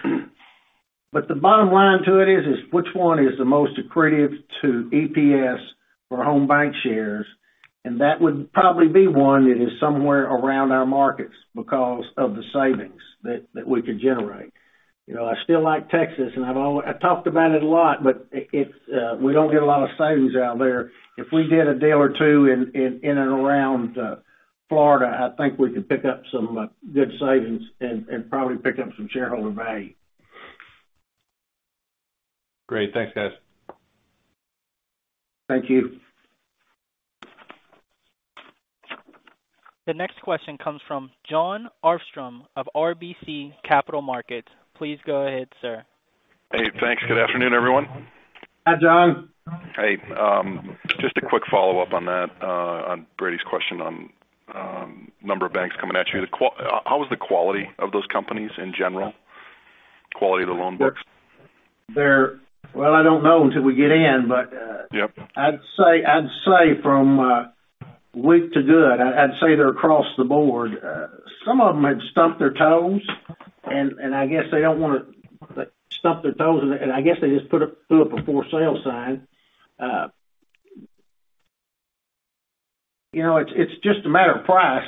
The bottom line to it is, which one is the most accretive to EPS for Home Bancshares? That would probably be one that is somewhere around our markets because of the savings that we could generate. I still like Texas, and I've talked about it a lot, but we don't get a lot of savings out there. If we did a deal or two in and around Florida, I think we could pick up some good savings and probably pick up some shareholder value. Great. Thanks, guys. Thank you. The next question comes from Jon Arfstrom of RBC Capital Markets. Please go ahead, sir. Hey, thanks. Good afternoon, everyone. Hi, John. Hey, just a quick follow-up on that, on Brady's question on number of banks coming at you. How was the quality of those companies in general? Quality of the loan books? Well, I don't know until we get in. Yep I'd say from weak to good, I'd say they're across the board. Some of them had stumped their toes, and I guess they don't want to stump their toes, and I guess they just put up a for sale sign. It's just a matter of price.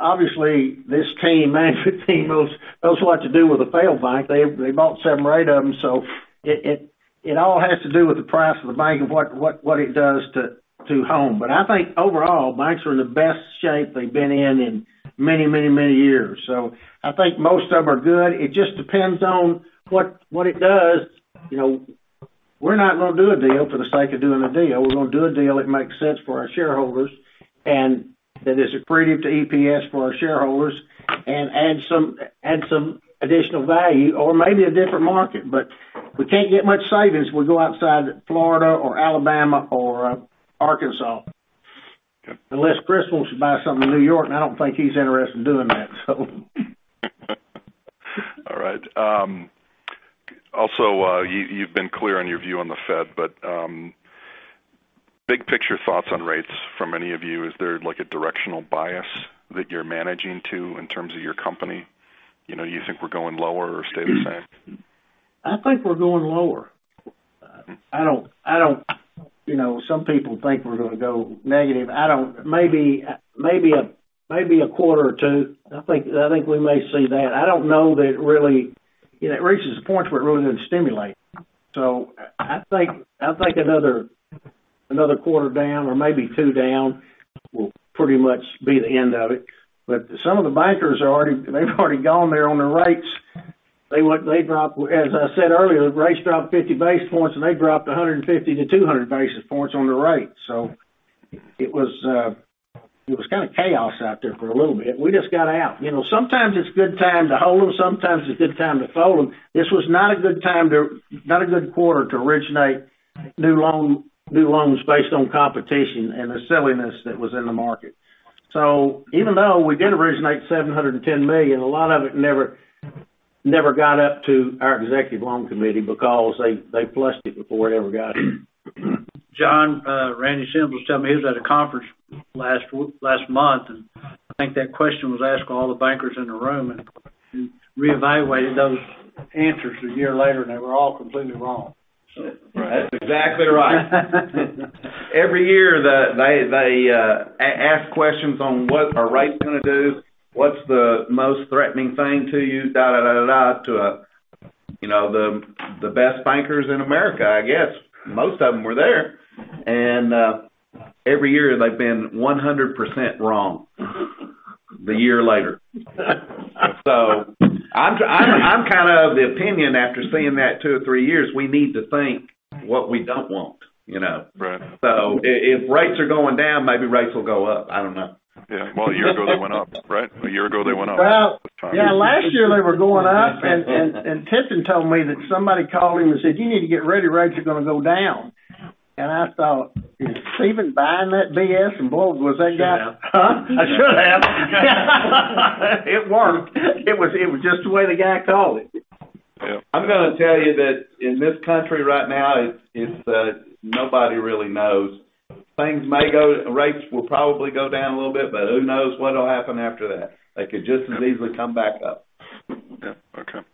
Obviously, this team, management team knows what to do with a failed bank. They bought seven or eight of them. It all has to do with the price of the bank and what it does to Home. I think overall, banks are in the best shape they've been in many years. I think most of them are good. It just depends on what it does. We're not going to do a deal for the sake of doing a deal. We're going to do a deal that makes sense for our shareholders, and that is accretive to EPS for our shareholders and adds some additional value or maybe a different market. We can't get much savings if we go outside Florida or Alabama or Arkansas. Okay. Unless Chris wants to buy something in New York, and I don't think he's interested in doing that. All right. You've been clear on your view on the Fed, but big picture thoughts on rates from any of you, is there like a directional bias that you're managing to in terms of your company? You think we're going lower or stay the same? I think we're going lower. Some people think we're going to go negative. Maybe a quarter or two. I think we may see that. I don't know that it really reaches a point where it really doesn't stimulate. I think another quarter down or maybe two down will pretty much be the end of it. Some of the bankers, they've already gone there on their rates. As I said earlier, the rates dropped 50 basis points, and they dropped 150 to 200 basis points on their rates. It was kind of chaos out there for a little bit. We just got out. Sometimes it's a good time to hold them, sometimes it's a good time to fold them. This was not a good quarter to originate new loans based on competition and the silliness that was in the market. Even though we did originate $710 million, a lot of it never got up to our executive loan committee because they flushed it before it ever got. John, Randy Sims was telling me he was at a conference last month, and I think that question was asked to all the bankers in the room, and reevaluated those answers a year later, and they were all completely wrong. That's exactly right. Every year, they ask questions on what are rates going to do, what's the most threatening thing to you, to the best bankers in America, I guess. Most of them were there. Every year, they've been 100% wrong the year later. I'm kind of the opinion after seeing that two or three years, we need to think what we don't want. Right. If rates are going down, maybe rates will go up. I don't know. Yeah. Well, a year ago they went up, right? A year ago they went up. Well, yeah, last year they were going up, Tipton told me that somebody called him and said, "You need to get ready, rates are going to go down." I thought, "Is Stephen buying that BS and bull? Should have. Huh? I should have. It worked. It was just the way the guy called it. Yep. I'm going to tell you that in this country right now, nobody really knows. Rates will probably go down a little bit, but who knows what'll happen after that. They could just as easily come back up. Yeah. Okay.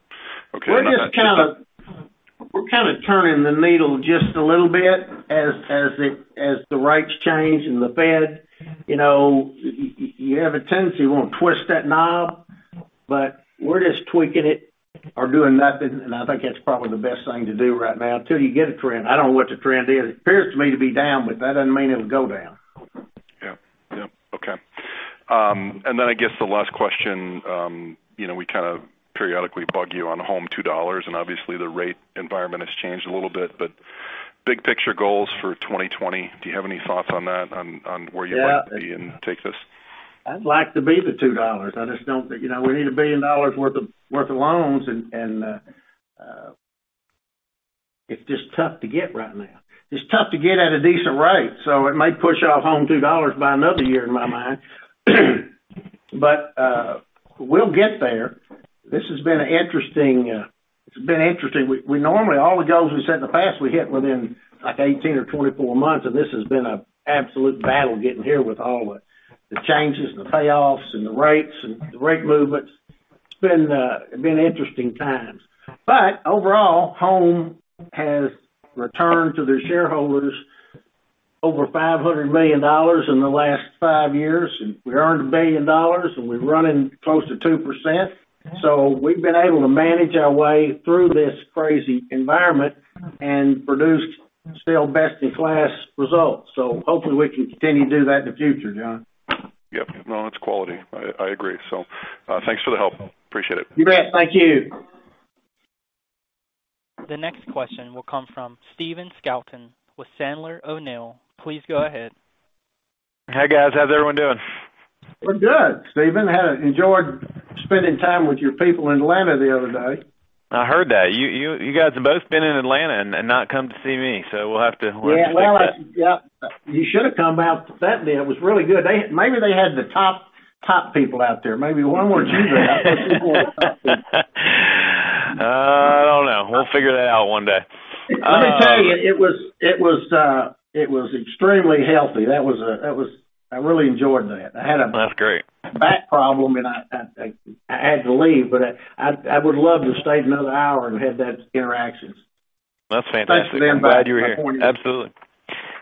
We're kind of turning the needle just a little bit as the rates change and the Fed. You have a tendency, you want to twist that knob, but we're just tweaking it or doing nothing, and I think that's probably the best thing to do right now till you get a trend. I don't know what the trend is. It appears to me to be down, but that doesn't mean it'll go down. Yep. Okay. I guess the last question, we kind of periodically bug you on Home $2, and obviously the rate environment has changed a little bit, but big picture goals for 2020. Do you have any thoughts on that, on where you'd like to be and take this? I'd like to be the $2. We need $1 billion worth of loans. It's just tough to get right now. It's tough to get at a decent rate. It may push off Home $2 by another year in my mind. We'll get there. This has been interesting. All the goals we set in the past, we hit within 18 or 24 months. This has been an absolute battle getting here with all the changes and the payoffs and the rates and the rate movements. It's been interesting times. Overall, Home has returned to their shareholders over $500 million in the last five years. We earned $1 billion. We're running close to 2%. We've been able to manage our way through this crazy environment and produced still best-in-class results. Hopefully we can continue to do that in the future, John. Yep. No, it's quality. I agree. Thanks for the help. Appreciate it. You bet. Thank you. The next question will come from Stephen Scouten with Sandler O'Neill. Please go ahead. Hey, guys. How's everyone doing? We're good, Stephen. Enjoyed spending time with your people in Atlanta the other day. I heard that. You guys have both been in Atlanta and not come to see me, so we'll have to fix that. Yeah. Well, you should've come out that day. It was really good. Maybe they had the top people out there. Maybe one or two there. I don't know. We'll figure that out one day. Let me tell you, it was extremely healthy. I really enjoyed that. That's great. I had a back problem and I had to leave, but I would've loved to have stayed another hour and had that interaction. That's fantastic. Thanks to them. I'm glad you're here.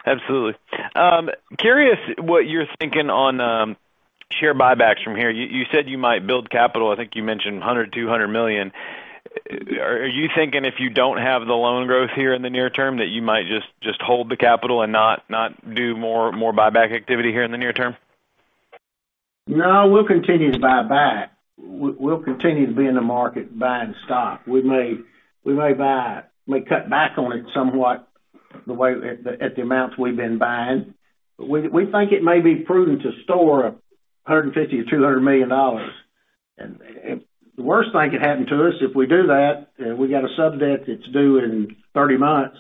Absolutely. Curious what you're thinking on share buybacks from here. You said you might build capital. I think you mentioned $100 million, $200 million. Are you thinking if you don't have the loan growth here in the near term, that you might just hold the capital and not do more buyback activity here in the near term? No, we'll continue to buy back. We'll continue to be in the market buying stock. We may cut back on it somewhat at the amounts we've been buying. We think it may be prudent to store $150 million-$200 million. The worst thing could happen to us if we do that, and we got a sub-debt that's due in 30 months.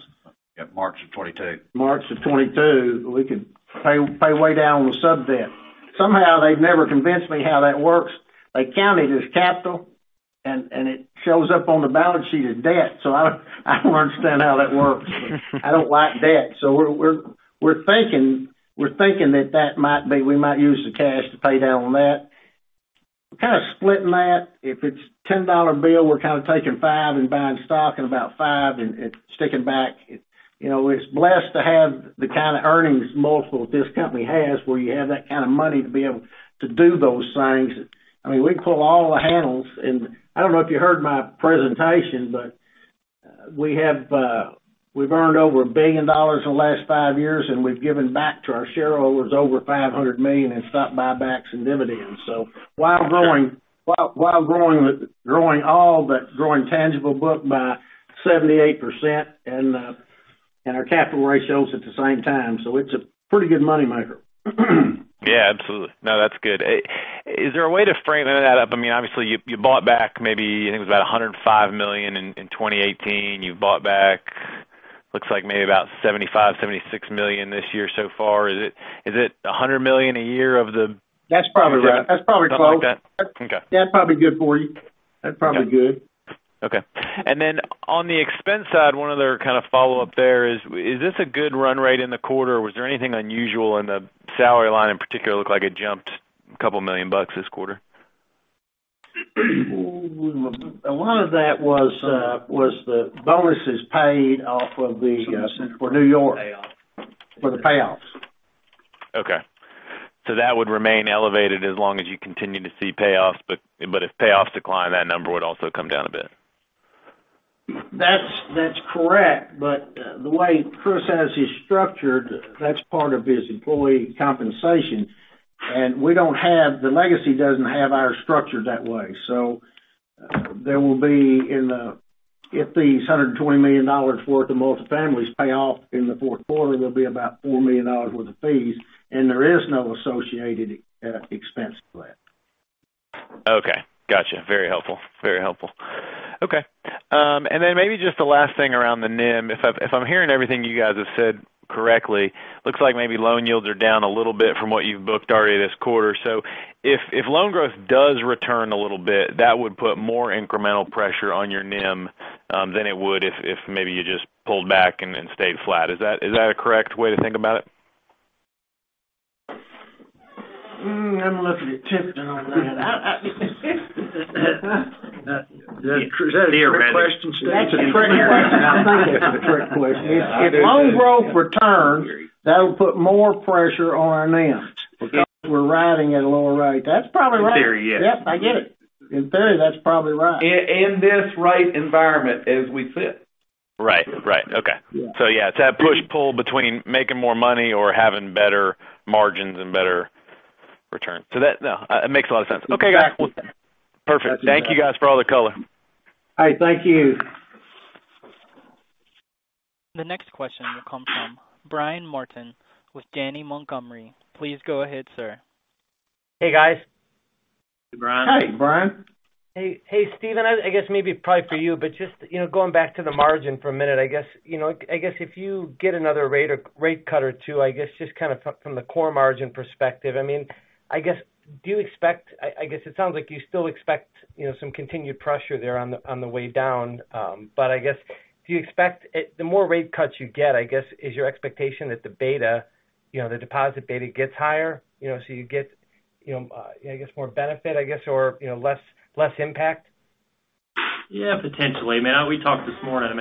Yep, March of 2022. March of 2022, we could pay way down on the sub-debt. Somehow they've never convinced me how that works. They count it as capital and it shows up on the balance sheet as debt. I don't understand how that works. I don't like debt. We're thinking that we might use the cash to pay down on that. We're kind of splitting that. If it's a $10 bill, we're kind of taking five and buying stock and about five and sticking back. We're blessed to have the kind of earnings multiple this company has, where you have that kind of money to be able to do those things. We can pull all the handles, and I don't know if you heard my presentation, but we've earned over $1 billion in the last 5 years, and we've given back to our shareholders over $500 million in stock buybacks and dividends. While growing all, but growing tangible book by 78%, and our capital ratios at the same time. It's a pretty good money maker. Yeah, absolutely. No, that's good. Is there a way to frame that up? You bought back maybe, I think it was about $105 million in 2018. You've bought back, looks like maybe about $75, $76 million this year so far. Is it $100 million a year? That's probably right. That's probably close. Something like that? Okay. That's probably good for you. Okay. That's probably good. Okay. On the expense side, one other follow-up there is this a good run rate in the quarter, or was there anything unusual in the salary line in particular? It looked like it jumped a couple million bucks this quarter. A lot of that was the bonuses paid off of the New York. For the payoffs. Okay. That would remain elevated as long as you continue to see payoffs, but if payoffs decline, that number would also come down a bit. That's correct. The way Chris has his structured, that's part of his employee compensation, and the Legacy doesn't have ours structured that way. If these $120 million worth of multi-families pay off in the fourth quarter, there'll be about $4 million worth of fees, and there is no associated expense to that. Okay. Got you. Very helpful. Okay. Then maybe just the last thing around the NIM. If I'm hearing everything you guys have said correctly, looks like maybe loan yields are down a little bit from what you've booked already this quarter. If loan growth does return a little bit, that would put more incremental pressure on your NIM, than it would if maybe you just pulled back and stayed flat. Is that a correct way to think about it? I'm going to have to get Tipton in on that. Is that a trick question, Stephen? That's a trick question. I think that's a trick question. If loan growth returns, that'll put more pressure on our NIMs, because we're riding at a lower rate. That's probably right. In theory, yes. Yep, I get it. In theory, that's probably right. In this rate environment as we sit. Right. Okay. Yeah. Yeah, it's that push-pull between making more money or having better margins and better return. That makes a lot of sense. Okay, guys. Well, perfect. Thank you guys for all the color. All right, thank you. The next question will come from Brian Martin with Janney Montgomery Scott. Please go ahead, sir. Hey, guys. Hey, Brian. Hi, Brian. Hey, Stephen, I guess maybe probably for you, but just going back to the margin for a minute, if you get another rate cut or two, just from the core margin perspective, it sounds like you still expect some continued pressure there on the way down. The more rate cuts you get, I guess, is your expectation that the deposit beta gets higher, so you get more benefit, I guess, or less impact? Yeah, potentially. We talked this morning.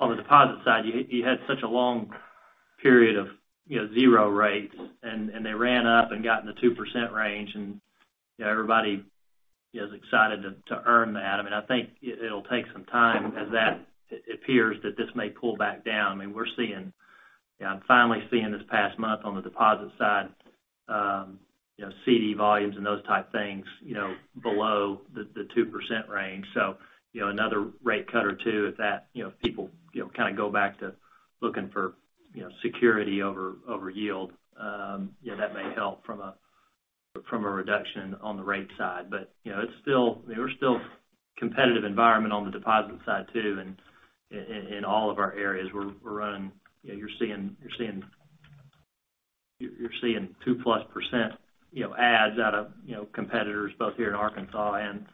On the deposit side, you had such a long period of zero rates, and they ran up and got in the 2% range, and everybody is excited to earn that. I think it'll take some time as that appears that this may pull back down. I'm finally seeing this past month on the deposit side, CD volumes and those type things, below the 2% range. Another rate cut or two, if people go back to looking for security over yield, that may help from a reduction on the rate side. We're still competitive environment on the deposit side, too, in all of our areas. You're seeing 2-plus percent adds out of competitors both here in Arkansas and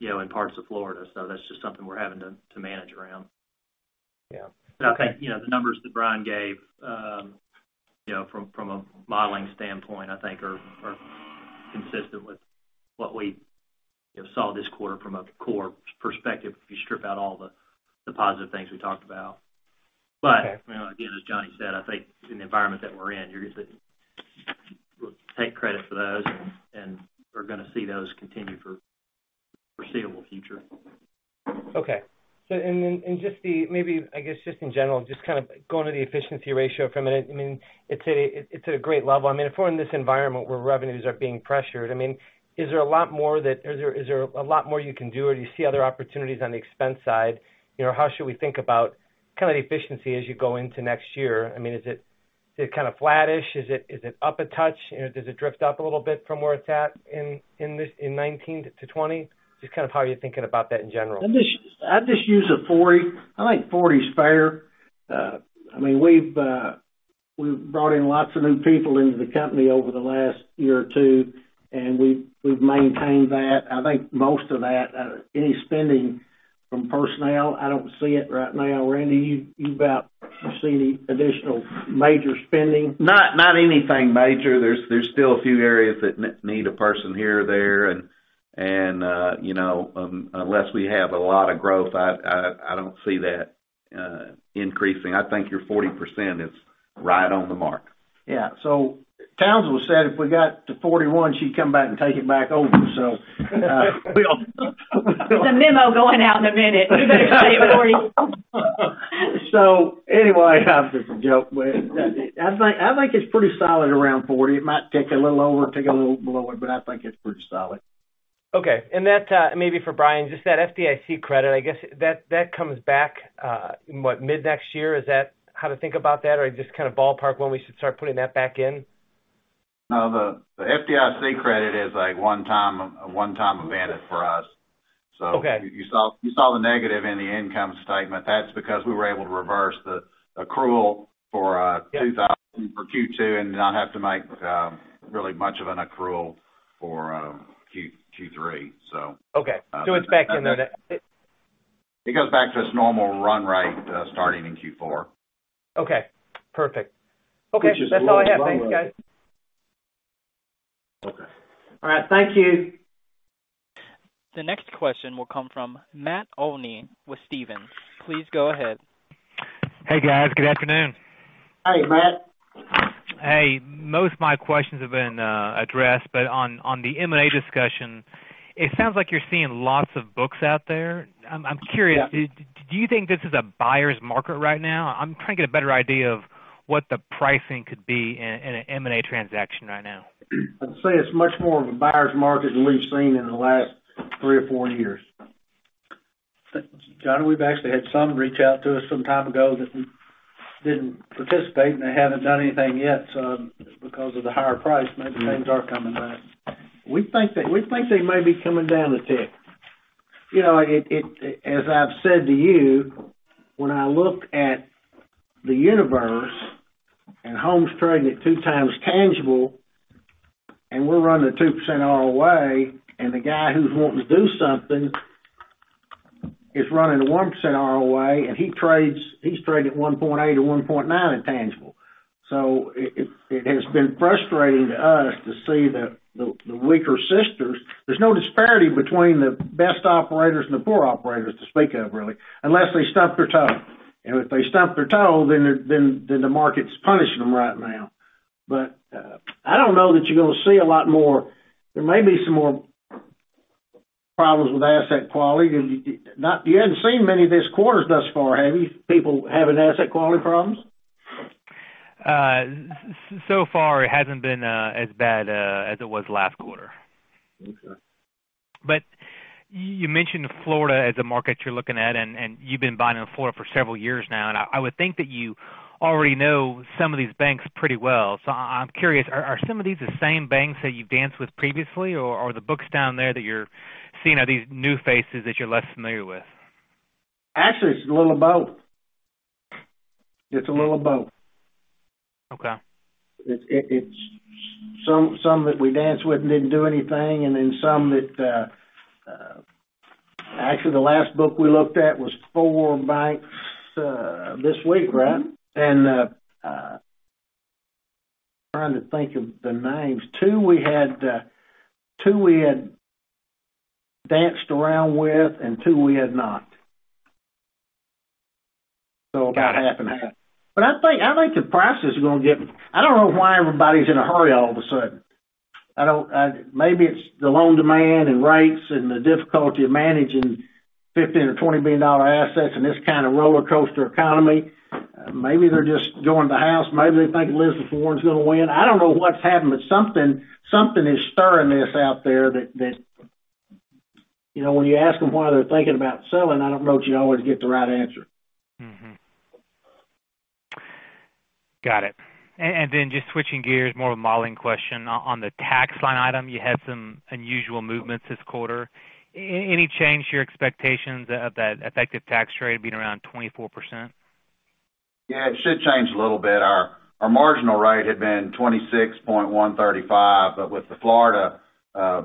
in parts of Florida. That's just something we're having to manage around. I think, the numbers that Brian gave from a modeling standpoint, I think are consistent with what we saw this quarter from a core perspective, if you strip out all the positive things we talked about. Okay Again, as Johnny said, I think in the environment that we're in, we'll take credit for those, and we're going to see those continue for foreseeable future. Okay. Maybe, I guess, just in general, just kind of going to the efficiency ratio for a minute. It's at a great level. If we're in this environment where revenues are being pressured, is there a lot more you can do, or do you see other opportunities on the expense side? How should we think about kind of the efficiency as you go into next year? Is it kind of flattish? Is it up a touch? Does it drift up a little bit from where it's at in 2019 to 2020? Just kind of how are you thinking about that in general? I'd just use a 40. I think 40 is fair. We've brought in lots of new people into the company over the last year or two, and we've maintained that. I think most of that, any spending from personnel, I don't see it right now. Randy, you about to see any additional major spending? Not anything major. There's still a few areas that need a person here or there, and unless we have a lot of growth, I don't see that increasing. I think your 40% is right on the mark. Yeah. Townsell said if we got to 41, she'd come back and take it back over. There's a memo going out in a minute. You better stay at 40. Anyway, that was just a joke, but I think it's pretty solid around 40. It might tick a little over, tick a little below it, but I think it's pretty solid. Okay. That, maybe for Brian, just that FDIC credit, I guess that comes back in what, mid next year? Is that how to think about that? Just kind of ballpark when we should start putting that back in? No, the FDIC credit is a one-time bandit for us. You saw the negative in the income statement. That's because we were able to reverse the accrual. Yeah Q2 not have to make really much of an accrual for Q3. Okay. It's back in there then. It goes back to its normal run rate, starting in Q4. Okay, perfect. Okay. Which is a little lower. That's all I have. Thanks, guys. Okay. All right, thank you. The next question will come from Matt Olney with Stephens. Please go ahead. Hey, guys. Good afternoon. Hey, Matt. Hey, most of my questions have been addressed, but on the M&A discussion, it sounds like you're seeing lots of books out there. Yeah. I'm curious, do you think this is a buyer's market right now? I'm trying to get a better idea of what the pricing could be in an M&A transaction right now. I'd say it's much more of a buyer's market than we've seen in the last three or four years. Johnny, we've actually had some reach out to us some time ago that didn't participate, and they haven't done anything yet. Because of the higher price, maybe things are coming back. We think they may be coming down a tick. As I've said to you, when I look at the universe and Home Bancshares trading at 2x tangible, and we're running a 2% ROA, and the guy who's wanting to do something is running a 1% ROA, and he trades at 1.8x or 1.9x in tangible. It has been frustrating to us to see the weaker sisters. There's no disparity between the best operators and the poor operators to speak of, really, unless they stump their toe. If they stump their toe, the market's punishing them right now. I don't know that you're going to see a lot more. There may be some more problems with asset quality. You hadn't seen many this quarter thus far, have you? People having asset quality problems? Far it hasn't been as bad as it was last quarter. Okay. You mentioned Florida as a market you're looking at, and you've been buying in Florida for several years now, and I would think that you already know some of these banks pretty well. I'm curious, are some of these the same banks that you've danced with previously, or are the books down there that you're seeing are these new faces that you're less familiar with? Actually, it's a little of both. It's a little of both. Okay. It's some that we danced with and didn't do anything, and then some that Actually, the last book we looked at was four banks this week, right? I'm trying to think of the names. Two we had danced around with and two we had not. About half and half. I think the prices are going to get I don't know why everybody's in a hurry all of a sudden. Maybe it's the loan demand and rates and the difficulty of managing $15 billion or $20 billion assets in this kind of rollercoaster economy. Maybe they're just joining the house. Maybe they think Elizabeth Warren's going to win. I don't know what's happened, something is stirring this out there that when you ask them why they're thinking about selling, I don't know that you always get the right answer. Mm-hmm. Got it. Then just switching gears, more of a modeling question. On the tax line item, you had some unusual movements this quarter. Any change to your expectations of that effective tax rate being around 24%? Yeah, it should change a little bit. Our marginal rate had been 26.135%, with the Florida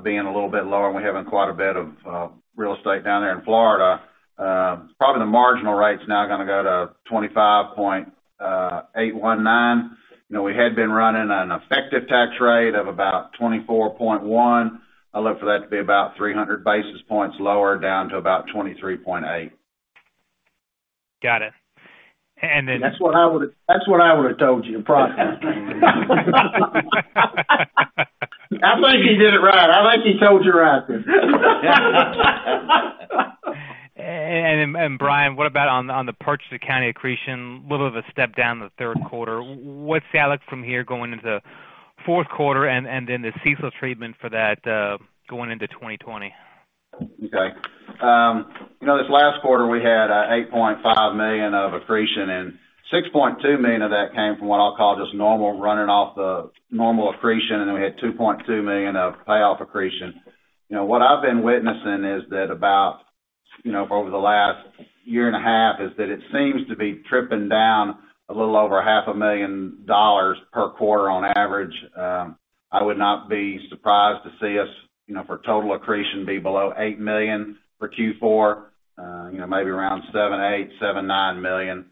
being a little bit lower and we having quite a bit of real estate down there in Florida, probably the marginal rate's now going to go to 25.819%. We had been running an effective tax rate of about 24.1%. I look for that to be about 300 basis points lower, down to about 23.8%. Got it. That's what I would've told you approximately. I think he did it right. I think he told you right. Brian, what about on the purchase accounting accretion, a little of a step down in the third quarter. What's the outlook from here going into fourth quarter and then the CECL treatment for that going into 2020? Okay. This last quarter, we had $8.5 million of accretion, and $6.2 million of that came from what I'll call just normal running off the normal accretion, and then we had $2.2 million of payoff accretion. What I've been witnessing is that about over the last year and a half, is that it seems to be tripping down a little over half a million dollars per quarter on average. I would not be surprised to see us, for total accretion, be below $8 million for Q4, maybe around $7 million, $8 million, $7 million, $9 million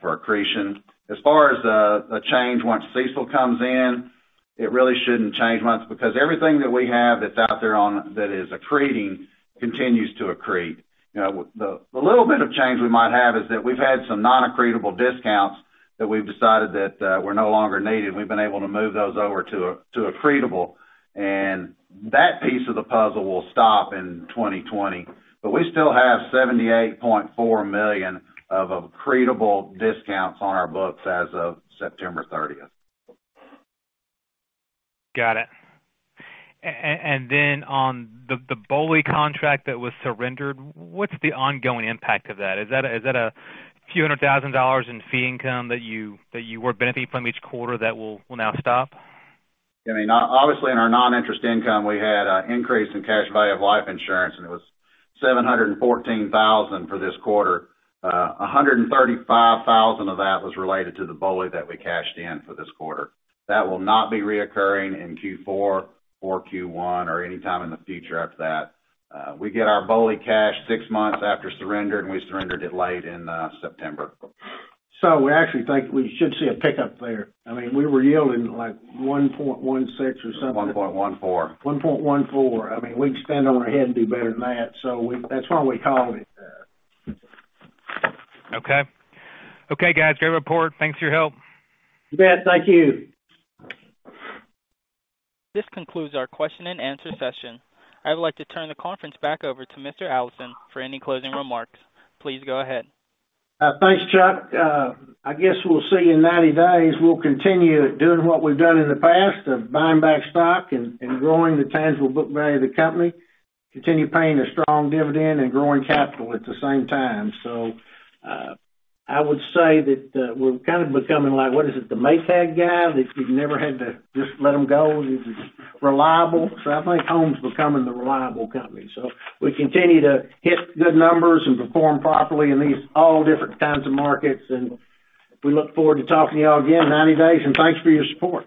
for accretion. As far as the change once CECL comes in, it really shouldn't change much because everything that we have that's out there on that is accreting continues to accrete. The little bit of change we might have is that we've had some non-accretable discounts that we've decided that were no longer needed, and we've been able to move those over to accretable, and that piece of the puzzle will stop in 2020. We still have $78.4 million of accretable discounts on our books as of September 30th. Got it. On the BOLI contract that was surrendered, what's the ongoing impact of that? Is that a few hundred thousand dollars in fee income that you were benefiting from each quarter that will now stop? I mean, obviously in our non-interest income, we had an increase in cash value of life insurance. It was $714,000 for this quarter. $135,000 of that was related to the BOLI that we cashed in for this quarter. That will not be recurring in Q4 or Q1 or anytime in the future after that. We get our BOLI cash six months after surrender. We surrendered it late in September. We actually think we should see a pickup there. We were yielding like 1.16% or something. 1.14. $1.14. We can spend on our head and do better than that. That's why we called it. Okay. Okay, guys. Great report. Thanks for your help. You bet. Thank you. This concludes our question and answer session. I would like to turn the conference back over to Mr. Allison for any closing remarks. Please go ahead. Thanks, Chuck. I guess we'll see you in 90 days. We'll continue doing what we've done in the past of buying back stock and growing the tangible book value of the company, continue paying a strong dividend and growing capital at the same time. I would say that we're kind of becoming like, what is it? The Maytag guy, that you never had to just let him go. He's just reliable. I think Home's becoming the reliable company. We continue to hit good numbers and perform properly in these all different kinds of markets, and we look forward to talking to you all again in 90 days, and thanks for your support.